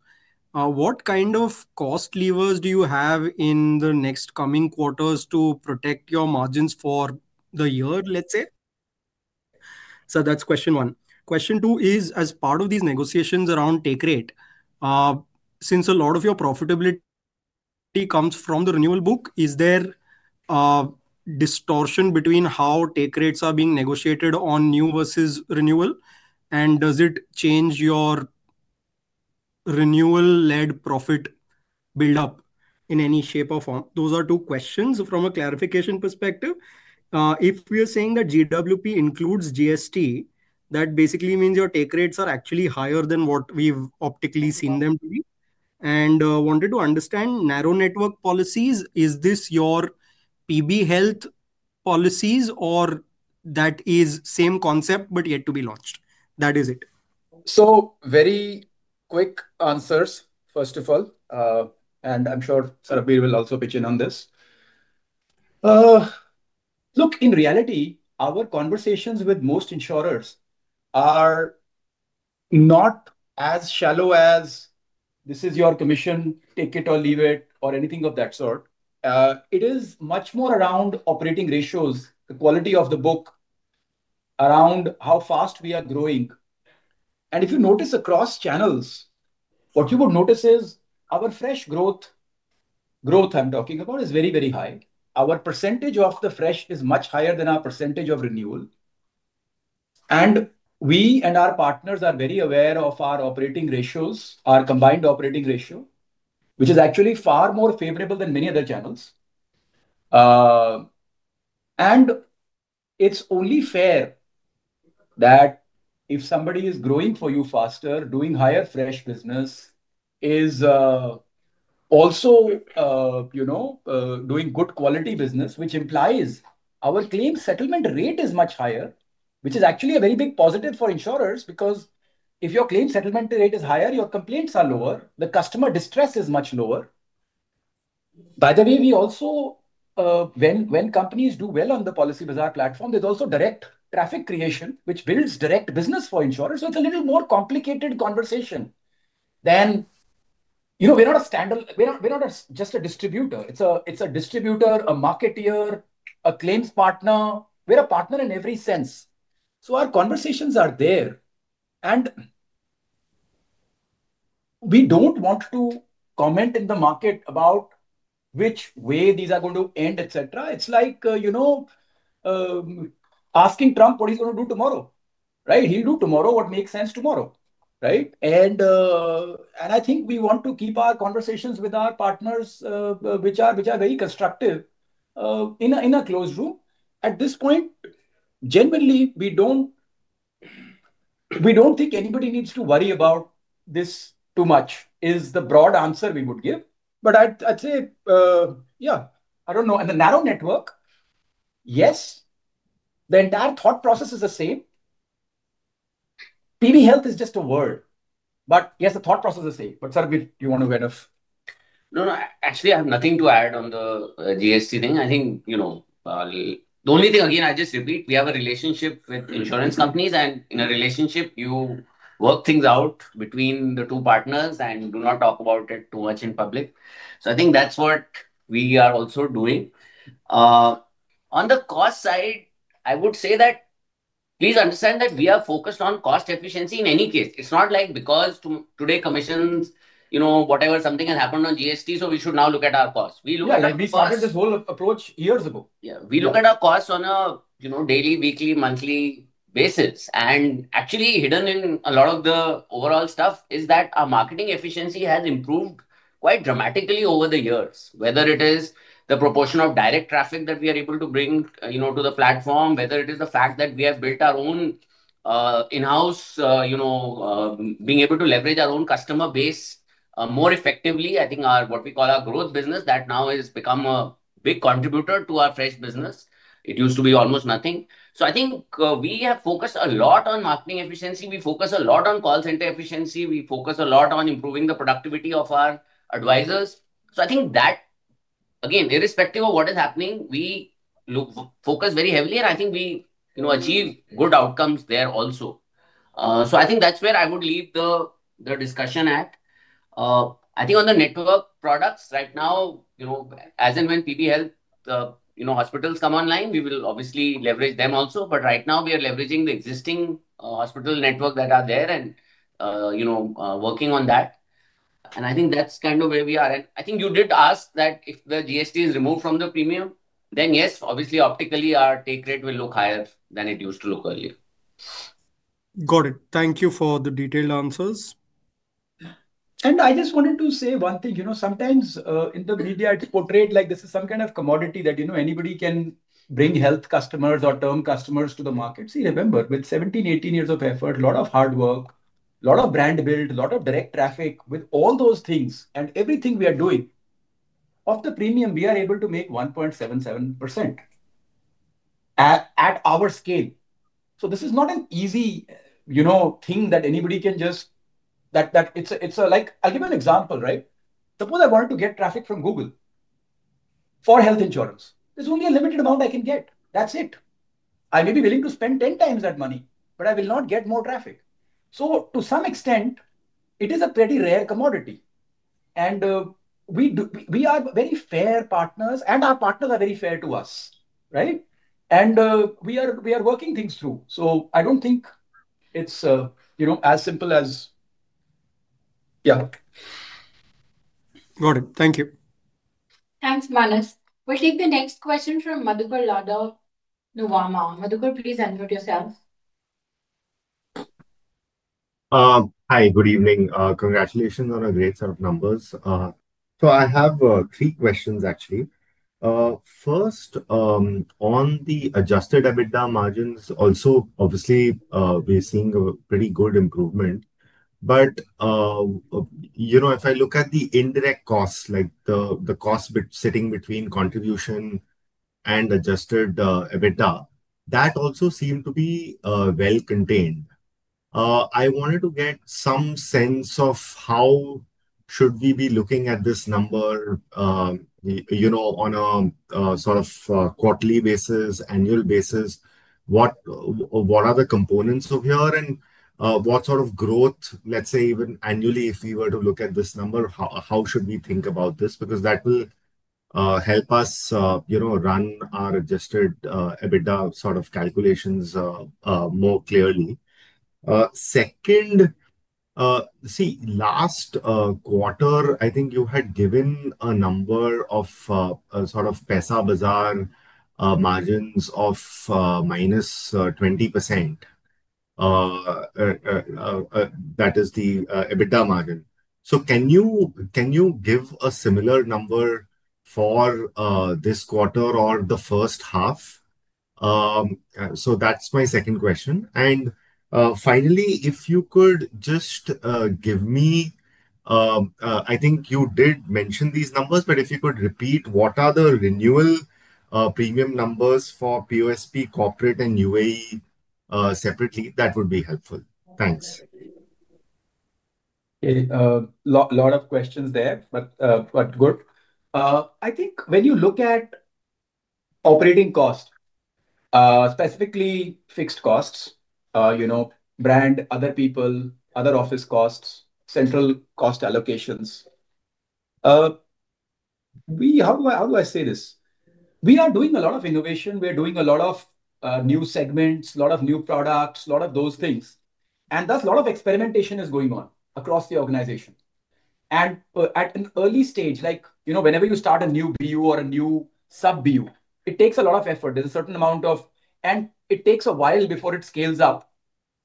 what kind of cost levers do you have in the next coming quarters to protect your margins for the year? Let's say. That's question one. Question two is as part of these negotiations around take rate, since a lot of your profitability comes from the renewal book, is there distortion between how take rates are being negotiated on new versus renewal and does it change your renewal-led profit buildup in any shape or form? Those are two questions. From a clarification perspective, if we are saying that GWP includes GST, that basically means your take rates are actually higher than what we've optically seen them and wanted to understand. Narrow network policies, is this your PB health policies or is that the same concept but yet to be launched? That is it. Very quick answers first of all, and I'm sure Sarbvir will also pitch in on this. In reality, our conversations with most insurers are not as shallow as this is your commission, take it or leave it or anything of that sort. It is much more around operating ratios, the quality of the book, around how fast we are growing. If you notice across channels, what you would notice is our fresh growth. Growth I'm talking about is very, very high. Our percentage of the fresh is much higher than our percentage of renewal. We and our partners are very aware of our operating ratios, our combined operating ratio, which is actually far more favorable than many other channels. It's only fair that if somebody is growing for you faster, doing higher fresh business, is also doing good quality business, which implies our claim settlement rate is much higher, which is actually a very big positive for insurers because if your claim settlement rate is higher, your complaints are lower, the customer distress is much lower. By the way, when companies do well on the Policybazaar platform, there's also direct traffic creation, which builds direct business for insurers. It's a little more complicated conversation than, you know, we're not a standalone, we're not just a distributor. It's a distributor, a marketeer, a claims partner. We're a partner in every sense. Our conversations are there and we don't want to comment in the market about which way these are going to end, etc. It's like, you know, asking Trump what he's going to do tomorrow. Right. He'll do tomorrow what makes sense tomorrow. I think we want to keep our conversations with our partners, which are very constructive, in a closed room at this point. Genuinely, we don't think anybody needs to worry about this too much is the broad answer we would give. I'd say, yeah, I don't know. The narrow network, yes, the entire thought process is the same. PB Health is just a word, but yes, the thought process is same. Sarbvir, do you want to. No, actually I have nothing to add on the GST thing. I think the only thing, again, I just repeat, we have a relationship with insurance companies and in a relationship you work things out between the two partners and do not talk about it too much in public. I think that's what we are also doing. On the cost side, I would say that please understand that we are focused on cost efficiency. In any case, it's not like because today, commissions, you know, whatever, something has happened on GST, we should now look at our costs. We started this whole approach years ago. Yeah, we look at our costs on a daily, weekly, monthly basis. Actually, hidden in a lot of the overall stuff is that our marketing efficiency has improved quite dramatically over the years. Whether it is the proportion of direct traffic that we are able to bring to the platform, whether it is the fact that we have built our own in-house, you know, being able to leverage our own customer base more effectively. I think our, what we call our growth business, that now has become a big contributor to our fresh business. It used to be almost nothing. I think we have focused a lot on marketing efficiency, we focus a lot on call center efficiency, we focus a lot on improving the productivity of our advisors. I think that again, irrespective of what is happening, we focus very heavily and I think we achieve good outcomes there also. I think that's where I would leave the discussion at. I think on the network products right now, as and when PB Healthcare Services Private Limited hospitals come online, we will obviously leverage them also. Right now we are leveraging the existing hospital network that are there and working on that. I think that's kind of where we are. I think you did ask that if where GST is removed from the premium, then yes, obviously optically our take rate will look higher than it used to look earlier. Got it. Thank you for the detailed answers. I just wanted to say one thing. Sometimes in the media it's portrayed like this is some kind of commodity that anybody can bring health customers or term customers to the market. Remember with 17, 18 years of effort, lot of hard work, lot of brand build, a lot of direct traffic. With all those things and everything we are doing of the premium, we are able to make 1.77% at our scale. This is not an easy thing that anybody can just that, that it's, it's like, I'll give an example, right? Suppose I wanted to get traffic from Google for health insurance. There's only a limited amount I can get. That's it. I may be willing to spend 10 times that money, but I will not get more traffic. To some extent, it is a pretty rare commodity and we are very fair partners and our partners are very fair to us, right? We are working things through. I don't think it's as simple as. Yeah, Got it. Thank you. Thanks, Manas. We'll take the next question from Madhukur Lada. Please unmute yourself. Hi, good evening. Congratulations on a great set of numbers. I have three questions actually. First on the adjusted EBITDA margins. Obviously we're seeing a pretty good improvement. If I look at the indirect costs, like the cost sitting between contribution and adjusted EBITDA, that also seemed to be well contained. I wanted to get some sense of how should we be looking at this number on a quarterly basis, annual basis, what are the components of here and what sort of growth, let's say even annually. If we were to look at this number, how should we think about this? That will help us run our adjusted EBITDA calculations more clearly. Second, last quarter, I think you had given a number of Paisabazaar margins of minus 20%. That is the EBITDA margin. Can you give a similar number for this quarter or the first half? That's my second question. Finally, if you could just give me, I think you did mention these numbers, but if you could repeat what are the renewal premium numbers for POSP, corporate and UAE separately, that would be helpful. Thanks. A lot of questions there, but good. I think when you look at operating cost, specifically fixed costs, brand, other people, other office costs, central cost allocations, we are doing a lot of innovation. We're doing a lot of new segments, a lot of new products, a lot of those things. A lot of experimentation is going on across the organization. At an early stage, like whenever you start a new BU or a new sub view, it takes a lot of effort. There's a certain amount of time and it takes a while before it scales up.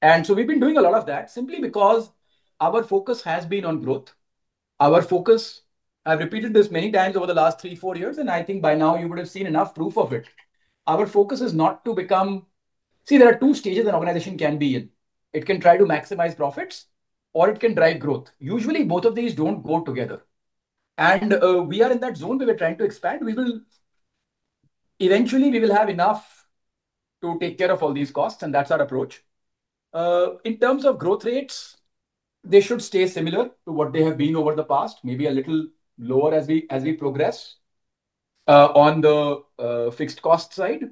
We've been doing a lot of that simply because our focus has been on growth. Our focus, I've repeated this many times over the last three, four years and I think by now you would have seen enough proof of it. Our focus is not to become, see, there are two stages an organization can be in. It can try to maximize profits or it can drive growth. Usually both of these don't go together. We are in that zone where we're trying to expand. Eventually we will have enough to take care of all these costs. That's our approach. In terms of growth rates, they should stay similar to what they have been over the past, maybe a little lower as we progress on the fixed cost side.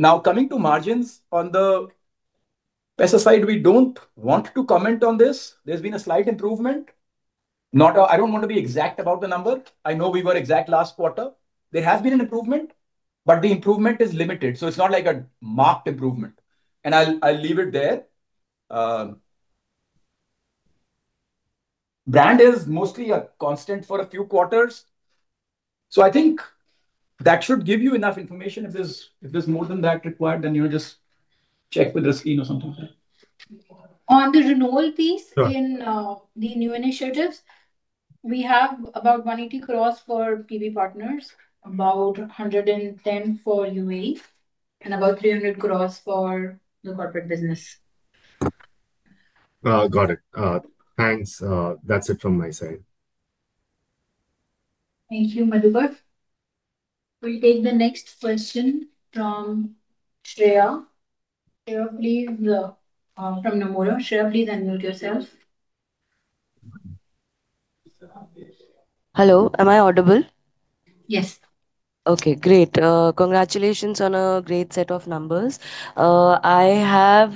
Now coming to margins on the Paisabazaar side, we don't want to comment on this. There's been a slight improvement. I don't want to be exact about the number. I know we were exact last quarter. There has been an improvement, but the improvement is limited. It's not like a marked improvement. I'll leave it there. Brand is mostly a constant for a few quarters. I think that should give you enough information. If there's more than that required, then you know, just Check with Risky or something. On the renewal piece. In the new initiatives, we have about 180 crore for PB Partners, about 110 crore for UAE, and about 300 crore for the corporate business. Got it. Thanks. That's it from my side. Thank you, Madhuba. We'll take the next question from Shreya, please. From Nomura. Please unmute yourself. Hello? Am I audible? Yes. Okay, great. Congratulations on a great set of numbers. I have.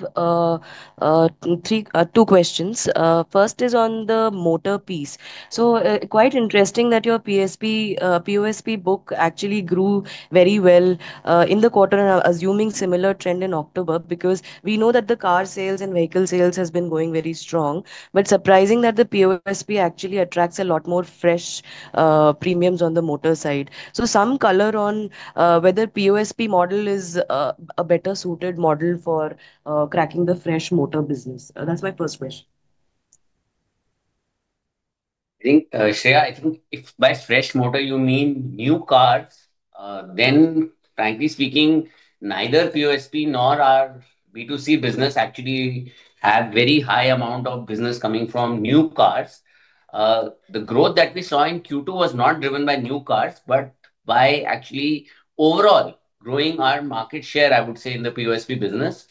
Three. Two questions. First is on the motor piece. Quite interesting that your POSP book actually grew very well in the quarter, and assuming similar trend in October because we know that the car sales and vehicle sales have been going very strong. Surprising that the POSP actually attracts a lot more fresh premiums on the motor side. Some color on whether POSP model is a better suited model for cracking the fresh motor business. That's my first question. I think if by fresh motor you mean new cars, then frankly speaking neither POSP nor our B2C business actually have a very high amount of business coming from new cars. The growth that we saw in Q2 was not driven by new cars, but by actually overall growing our market share. I would say in the POSP business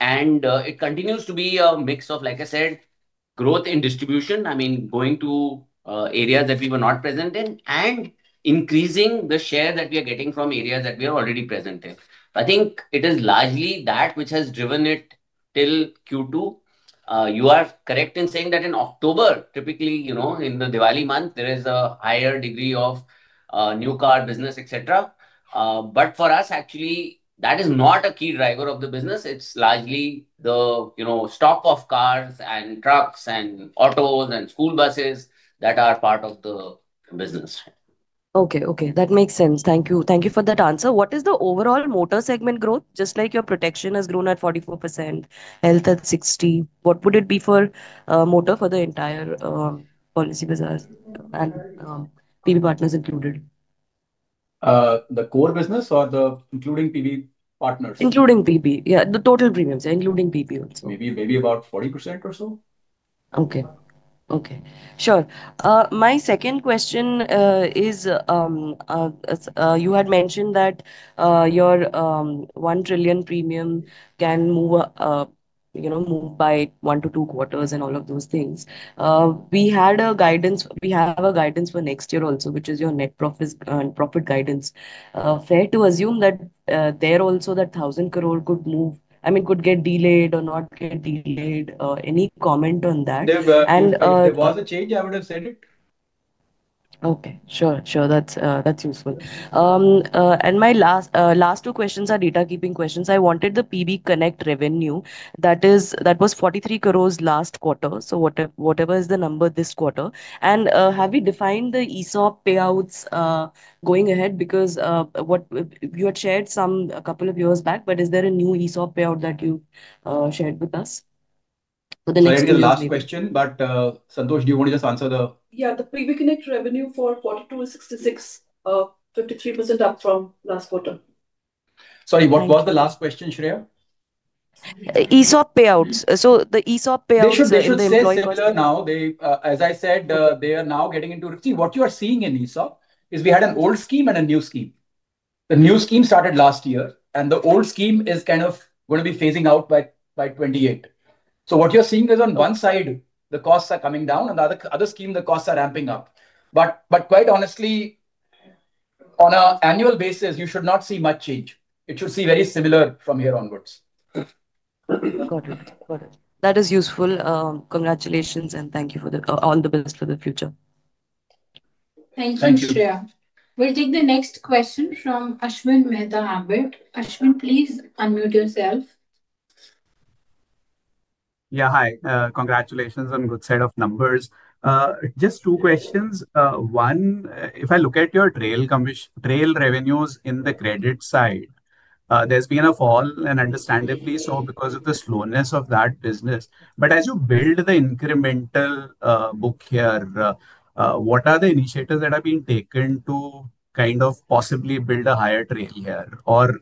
it continues to be a mix of, like I said, growth in distribution. I mean going to areas that we were not present in and increasing the share that we are getting from areas that we are already present in. I think it is largely that which has driven it till Q2. You are correct in saying that in October, typically in the Diwali month, there is a higher degree of new car business, etc. For us, actually, that is not a key driver of the business. It's largely the stock of cars and trucks and autos and school buses that are part of the business. Okay, okay, that makes sense. Thank you. Thank you for that answer. What is the overall motor segment growth? Just like your protection has grown at 44%, health at 60%. What would it be for motor for the entire Policybazaar business and PB Partners included? The core business or the including PB Partners? Including PB. Yeah, the total premiums including PB Partners also. Maybe about 40% or so. Okay, sure. My second question is you had mentioned that your 1 trillion premium can move, you know, move by 1 to 2 quarters and all of those things. We had a guidance, we have a guidance for next year also which is your net profits and profit guidance. Fair to assume that there also that 1,000 crore could move. I mean could get delayed or not get delayed. Any comment on that? It was a change. I would have said it. Okay, sure, that's useful. My last two questions are data key sweeping questions. I wanted the PB Connect revenue. That was 43 crore last quarter, so whatever is the number this quarter. Have we defined the ESOP payouts going ahead? Because what you had shared a couple of years back, is there a new ESOP payout that you shared with us? The last question, but Santosh, do you want to just answer the. Yeah. The PB Connect revenue for Q2 is 66 million, 53% up from last quarter. Sorry, what was the last question, Shreya? ESOP payouts. The ESOP payouts, As I said, they are now getting into. What you are seeing in ESOP is we had an old scheme and a new scheme. The new scheme started last year and the old scheme is kind of going to be phasing out by 2028. What you're seeing is on one side the costs are coming down and the other scheme the costs are ramping up. Quite honestly, on an annual basis you should not see much change. It should see very similar from here onwards. That is useful. Congratulations and thank you for all the best for the future. Thank you, Shreya. We'll take the next question from Ashwin Mehta, Ambit. Ashwin, please unmute yourself. Yeah. Hi. Congratulations on good set of numbers. Just two questions. One, if I look at your trail revenues in the credit side, there's been a fall and understandably so because of the slowness of that business. As you build the incremental book here, what are the initiatives that have been taken to kind of possibly build a higher trail here or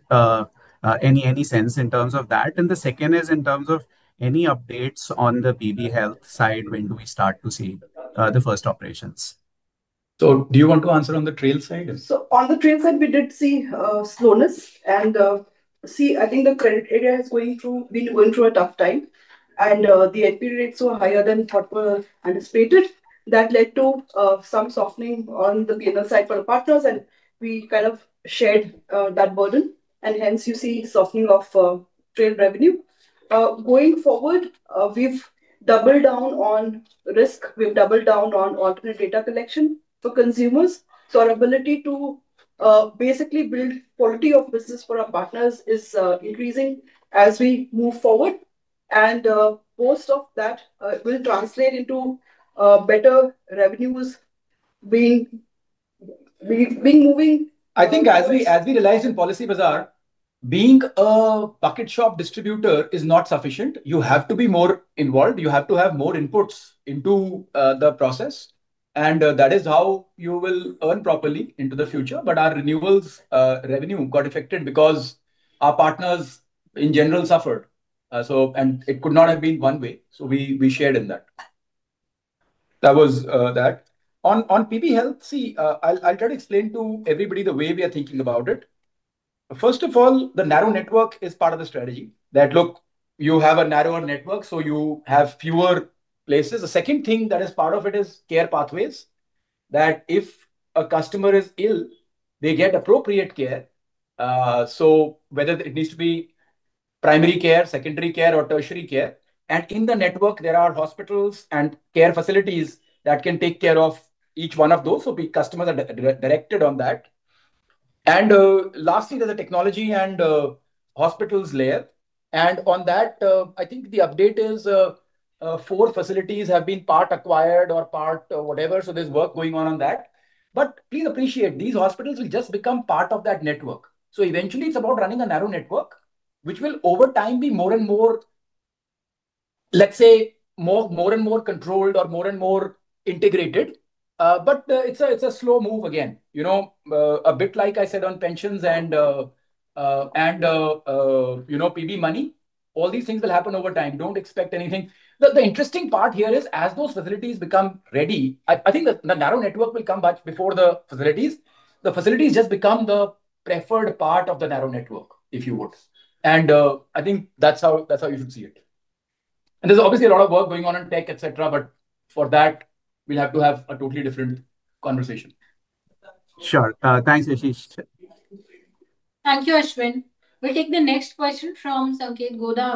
any sense in terms of that? The second is in terms of any updates on the PB Healthcare Services Private Limited side, when do we start to see the first operations? Do you want to answer on the trail side? On the trail side we did see slowness and see, I think the credit area is going through. Through a tough time and the NP rates were higher than what were anticipated. That led to some softening on the PNL side for the partners, and we kind of shared that burden. Hence, you see softening of trade revenue going forward. We've doubled down on risk, we've doubled down on alternate data collection for consumers. Our ability to basically build quality of business for our partners is increasing as we move forward, and most of that will translate into better revenues being. I think as we realized in Policybazaar, being a bucket shop distributor is not sufficient. You have to be more involved, you have to have more inputs into the process, and that is how you will earn properly into the future. Our renewals revenue got affected because our partners in general suffered, so it could not have been one way. We shared in that. That was that on PB Healthcare Services Private Limited. I'll try to explain to everybody the way we are thinking about it. First of all, the narrow network is part of the strategy. You have a narrower network, so you have fewer places. The second thing that is part of it is care pathways, that if a customer is ill, they get appropriate care, whether it needs to be primary care, secondary care, or tertiary care. In the network, there are hospitals and care facilities that can take care of each one of those, so the customers are directed on that. Lastly, there's a technology and hospitals layer. The update is four facilities have been part acquired or part whatever, so there's work going on on that. Please appreciate these hospitals will just become part of that network. Eventually, it's about running a narrow network, which will over time be more and more, let's say, more and more controlled or more and more integrated. It's a slow move, again, a bit like I said on pensions and PB Money. All these things will happen over time. Don't expect anything. The interesting part here is as those facilities become ready, I think the narrow network will come back before the facilities. The facilities just become the preferred part of the narrow network, if you would. I think that's how you should see it. There's obviously a lot of work going on in tech, etc. For that, we'll have to have a totally different conversation. Sure. Thanks, Yashish. Thank you, Ashwin. We'll take the next question from Sanket Goda.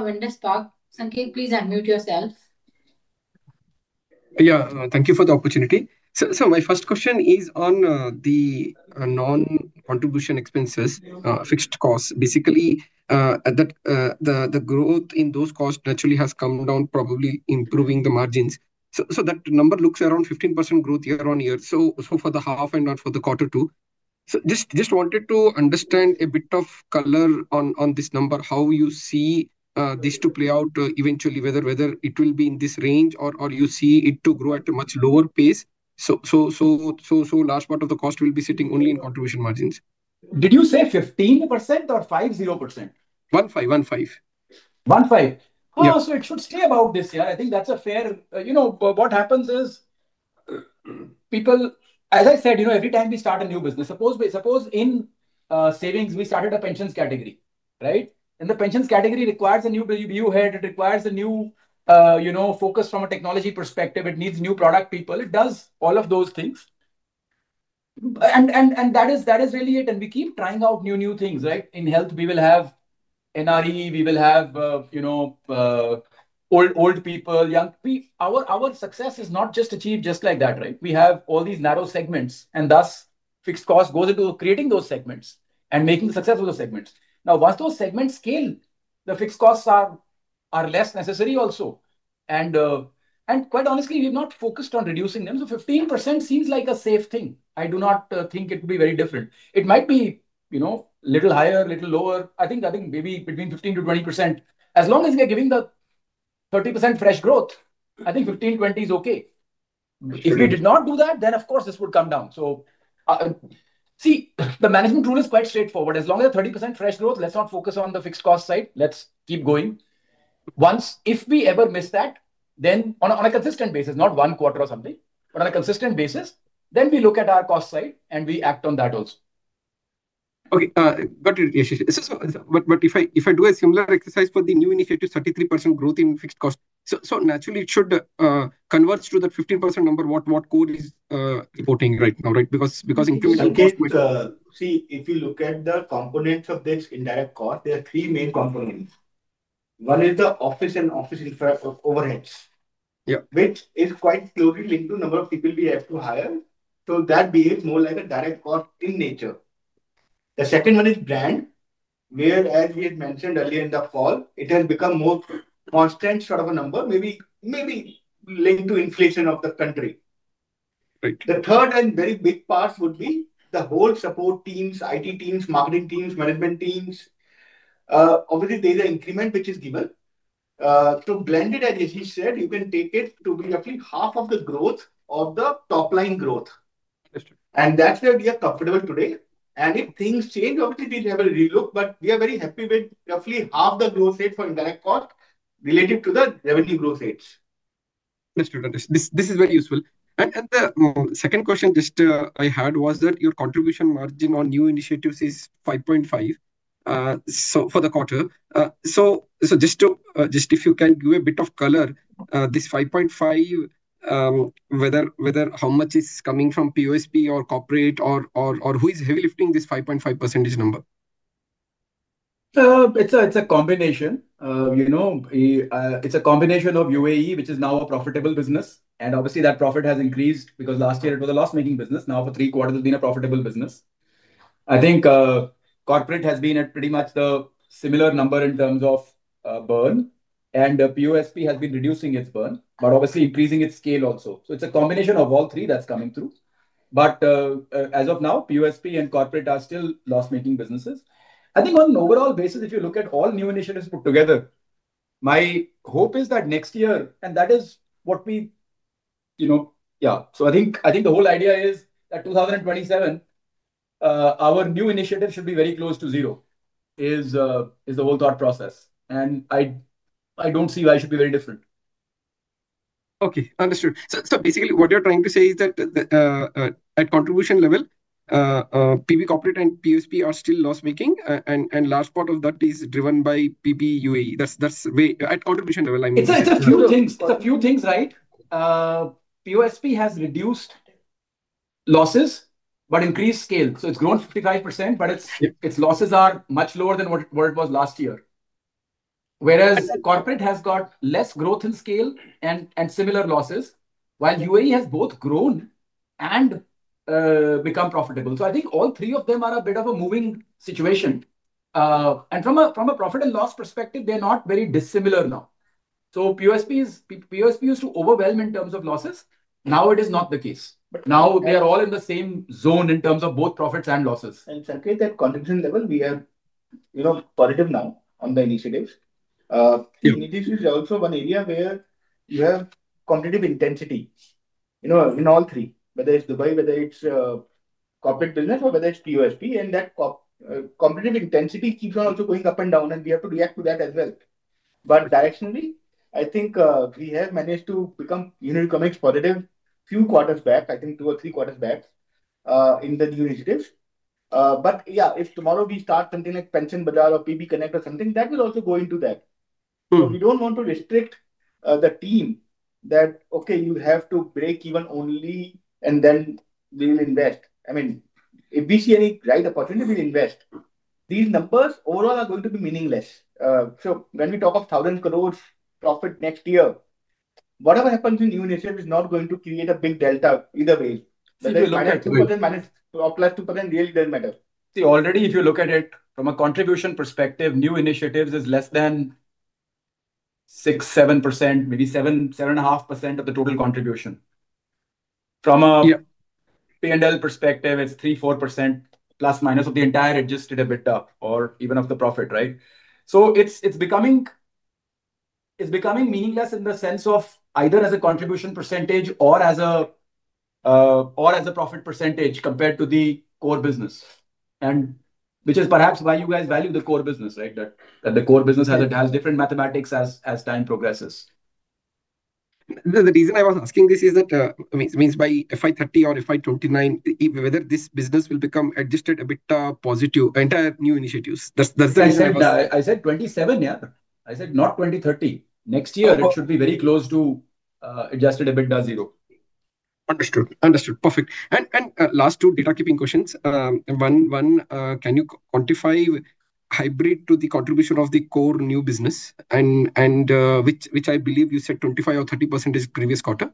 Sanket, please unmute yourself. Yeah, thank you for the opportunity. My first question is on the non-contribution expenses, fixed costs. Basically, the growth in those costs naturally has come down, probably improving the margins. That number looks around 15% growth year-on-year, for the half and not for quarter two. I just wanted to understand a bit of color on this number, how you see this to play out eventually, whether it will be in this range or you see it to grow at a much lower pace. A large part of the cost will be sitting only in contribution margins. Did you say 15 or 50%? 1 5, 15, 1 5. It should stay about this year. I think that's fair. You know what happens is, as I said, every time we start a new business, suppose in savings we started a pensions category, right? The pensions category requires a new head, it requires a new focus from a technology perspective. It needs new product people, it does all of those things. That is really it and we keep trying out new things, right? In health we will have new, we will have old, old people, young. Our success is not just achieved just like that. We have all these narrow segments and thus fixed cost goes into creating those segments and making the success of those segments. Once those segments scale, the fixed costs are less necessary also. Quite honestly, we've not focused on reducing them. So 15% seems like a safe thing. I do not think it would be very different. It might be a little higher, a little lower. I think maybe between 15%-20%. As long as we're giving the 30% fresh growth, I think 15-20% is okay. If we did not do that, then of course this would come down. The management rule is quite straightforward. As long as 30% fresh growth, let's not focus on the fixed cost side. Let's keep going. If we ever miss that, then on a consistent basis, not one quarter or something, but on a consistent basis, then we look at our cost side and we act on that also. If I do a similar exercise for the new initiative, 33% growth in fixed cost, naturally it should converge to that 15% number, what core is reporting right now. If you look at the components of this indirect cost, there are three main components. One is the office and office overheads, which is quite closely linked to number of people we have to hire. So that behaves more like a direct cost in nature. The second one is brand, where as we had mentioned earlier in the fall, it has become more constant, sort of a number, maybe linked to inflation of the country. The third and very big part would be the whole support teams, IT teams, marketing teams, management teams. Obviously, there is an increment which is given to blended. As he said, you can take it to be roughly half of the growth of the top line growth. That's where we are comfortable today. If things change, obviously we have a relook. We are very happy with roughly half the growth rate for indirect cost relative to the revenue growth rates. Understood, this is very useful. The second question I had was that your contribution margin on new initiatives is 5.5% for the quarter. Just if you can give a bit of color, this 5.5%, whether, how much is coming from POSP or corporate, or who is heavy lifting. This 5.5% number. It's a combination, you know, it's a combination of UAE, which is now a profitable business, and obviously that profit has increased because last year it was a loss-making business. Now for three quarters, it's been a profitable business. I think corporate has been at pretty much the similar number in terms of burn, and POSP has been reducing its burn but obviously increasing its scale also. It's a combination of all three that's coming through. As of now, POSP and corporate are still loss-making businesses. I think on an overall basis, if you look at all new initiatives put together, my hope is that next year, and that is what we, you know. Yeah. I think the whole idea is that 2027, our new initiatives should be very close to zero is the whole thought process, and I don't see why it should be very different. Okay, understood. Basically, what you're trying to say is that at contribution level, POSP, corporate, and PSP are still loss-making, and a large part of that is driven by PB UAE. That's why at contribution level, it's a few things. It's a few things, right. POSP has reduced losses but increased scale, so it's grown 55%, but its losses are much lower than what it was last year. Whereas corporate has got less growth in scale and similar losses, while UAE has both grown and become profitable. I think all three of them are a bit of a moving situation, and from a profit and loss perspective, they're not very dissimilar now. POSP used to overwhelm in terms of losses. Now it is not the case; now they are all in the same zone in terms of both profits and losses and stuck at that continuation level. We are positive now on the initiatives. This is also one area where you have competitive intensity in all three, whether it's Dubai, whether it's corporate business, or whether it's POSP. That competitive intensity keeps on also going up and down, and we have to react to that as well. Directionally, I think we have managed to become unit economics positive a few quarters back, I think two or three quarters back in the new initiatives. If tomorrow we start something like Pension Bazaar or PB Money or something, that will also go into that. We don't want to restrict the team that, okay, you have to break even only and then we'll invest. If we see any right opportunity, we invest. These numbers overall are going to be meaningless. When we talk of 1,000 crore profit next year, whatever happens in new initiatives is not going to create a big delta either way. It doesn't matter. Already, if you look at it from a contribution perspective, new initiatives is less than 6%, 7%, maybe 7%, 7.5% of the total contribution. From a P&L perspective, it's 3%, 4% plus minus of the entire adjusted EBITDA or even of the profit. It's becoming meaningless in the sense of either as a contribution percentage or as a profit percentage compared to the core business, which is perhaps why you guys value the core business, that the core business has different mathematics as time progresses. The reason I was asking this is that means by FY2030 or FY2029, whether this business will become adjusted EBITDA positive, entire new initiatives. I said FY2027. Yeah, I said not FY2030. Next year it should be very close to adjusted EBITDA zero. Understood. Perfect. Last two data keeping questions. One, can you quantify hybrid to the contribution of the core new business, and which I believe you said 25% or 30% is previous quarter,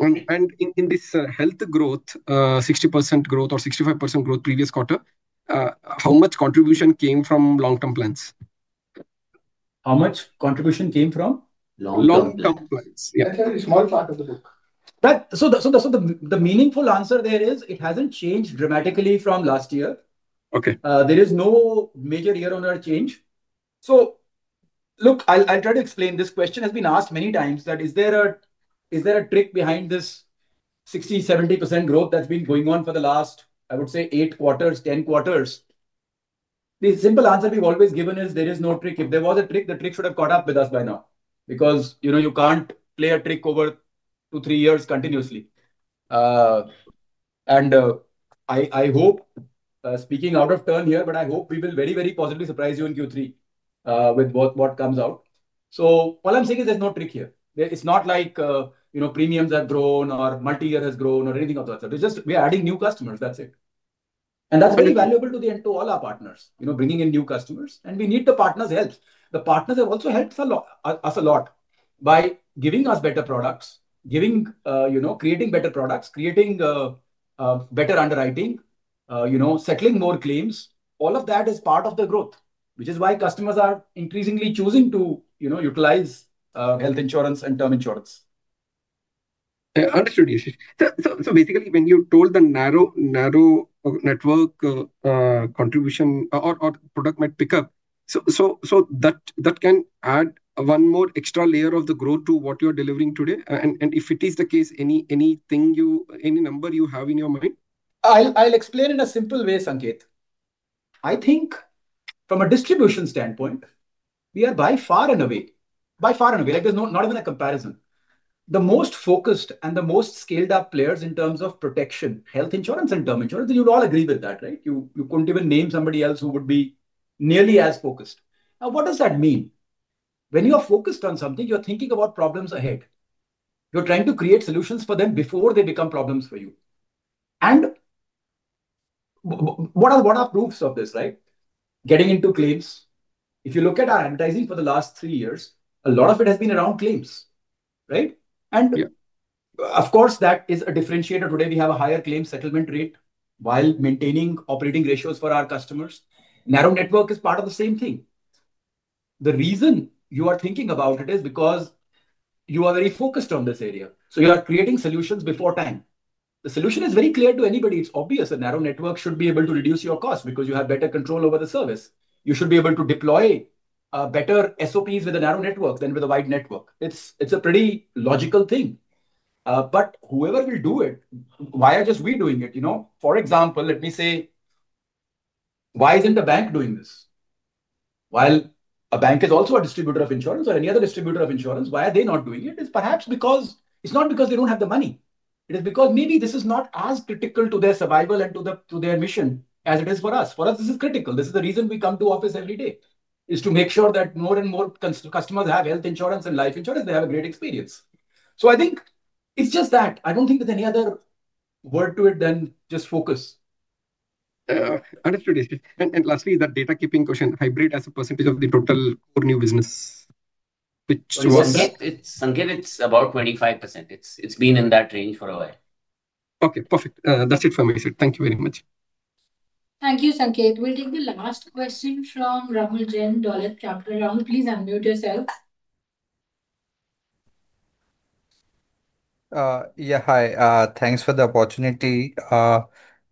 and in this health growth, 60% growth or 65% growth previous quarter, how much contribution came from long term plans? How much contribution came from long term plans? The meaningful answer there is it hasn't changed dramatically from last year. There is no major year-on-year change. Look, I'll try to explain. This question has been asked many times: is there a trick behind this 60%, 70% growth that's been going on for the last, I would say, 8 quarters, 10 quarters? The simple answer we've always given is there is no trick. If there was a trick, the trick should have caught up with us by now because you know, you can't play a trick over two, three years continuously. I hope I'm not speaking out of turn here, but I hope we will very, very positively surprise you in Q3 with both what comes out. All I'm saying is there's no trick here. It's not like premiums have grown or multi-year has grown or anything of that sort. We're just adding new customers. That's it, and that's very valuable to all our partners, you know, bringing in new customers. We need the partners' help. The partners have also helped us a lot by giving us better products, creating better products, creating better underwriting, settling more claims. All of that is part of the growth, which is why customers are increasingly choosing to utilize health insurance and term insurance. Understood? Yes. Basically, when you told the narrow network contribution or product might pick up, that can add one more extra layer of growth to what you are delivering today. If it is the case, any number you have in your mind, I'll explain in a simple way. Sanket, I think from a distribution standpoint, we are by far and away, by far and away, like there's not even a comparison, the most focused and the most scaled up players in terms of protection, health insurance, and term insurance. You'd all agree with that, right? You couldn't even name somebody else who would be nearly as focused. Now, what does that mean? When you are focused on something, you're thinking about problems ahead, you're trying to create solutions for them before they become problems for you. What are proofs of this? Getting into claims. If you look at our advertising for the last three years, a lot of it has been around claims, right? Of course, that is a differentiator. Today, we have a higher claim settlement rate while maintaining operating ratios for our customers. Narrow network is part of the same thing. The reason you are thinking about it is because you are very focused on this area, so you are creating solutions before time. The solution is very clear to anybody. It's obvious that narrow network should be able to reduce your cost because you have better control over the service. You should be able to deploy better SOPs with a narrow network than with a wide network. It's a pretty logical thing. Whoever will do it, why are just we doing it? For example, let me say why isn't the bank doing this? While a bank is also a distributor of insurance or any other distributor of insurance, why are they not doing it? It's perhaps because it's not because they don't have the money. It is because maybe this is not as critical to their survival and to their mission as it is for us. For us, this is critical. This is the reason we come to office every day, to make sure that more and more customers have health insurance and life insurance. They have a great experience. I think it's just that I don't think there's any other word to it than just focus. Understood. Lastly, that data keeping question, hybrid as a percentage of the total core. New business, which was Sanket, it's about 25%. It's been in that range for a while. Okay, perfect. That's it for me. Thank you very much. Thank you, Sanket. We'll take the last question from Rahul Jain. Please unmute yourself. Yeah. Hi. Thanks for the opportunity.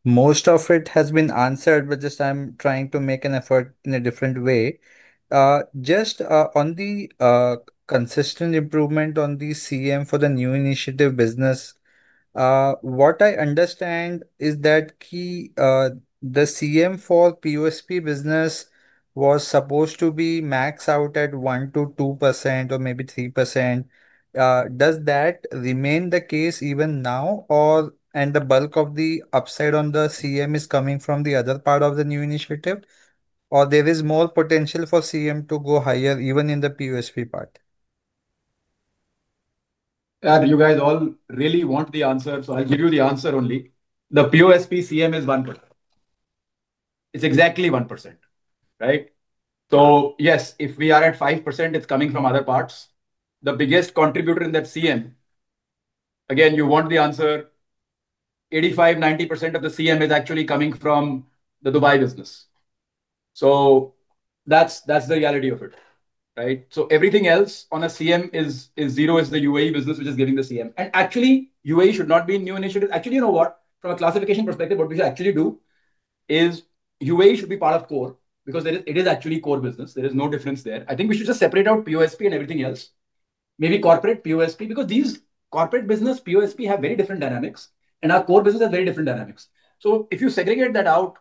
Most of it has been answered, but just I'm trying to make an effort in a different way. Just on the consistent improvement on the CM for the new initiative business. What I understand is that the CM for POSP business was supposed to be max out at 1 to 2% or maybe 3%. Does that remain the case even now, or the bulk of the upside on the CM is coming from the other part of the new initiative, or there is more potential for CM to go higher even in the POSP part? You guys all really want the answer, so I'll give you the answer. Only the POSP CM is 1%. It's exactly 1%, right? If we are at 5%, it's coming from other parts, the biggest contributor in that CM. Again, you want the answer. 85 to 90% of the CM is actually coming from the Dubai business. That's the reality of it, right? Everything else on a CM is 0. It is the UAE business which is giving the CM. Actually, UAE should not be new initiatives. From a classification perspective, what we should actually do is UAE should be part of core because it is actually core business. There is no difference there. I think we should just separate out POSP and everything else, maybe corporate POSP, because these corporate business POSP have very different dynamics and our core business has very different dynamics. If you segregate that out,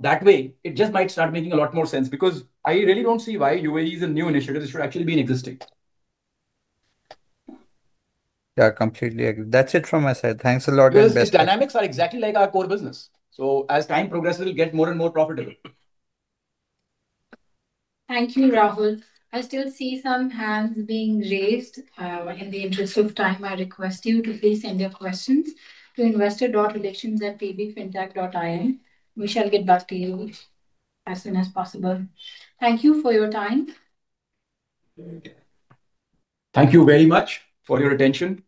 that way it just might start making a lot more sense. I really don't see why UAE's and new initiatives should actually be existing. Yeah, completely. That's it from my side. Thanks a lot. Dynamics are exactly like our core business. As time progresses, get more and more profitable. Thank you. Rahul. I still see some hands being raised. In the interest of time, I request you to please send your questions to investor.relations@pbfintech.in. We shall get back to you as soon as possible. Thank you for your time. Thank you very much for your attention.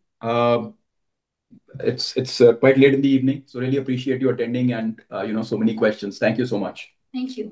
It's quite late in the evening, so really appreciate you attending and, you know, so many questions. Thank you so much. Thank you.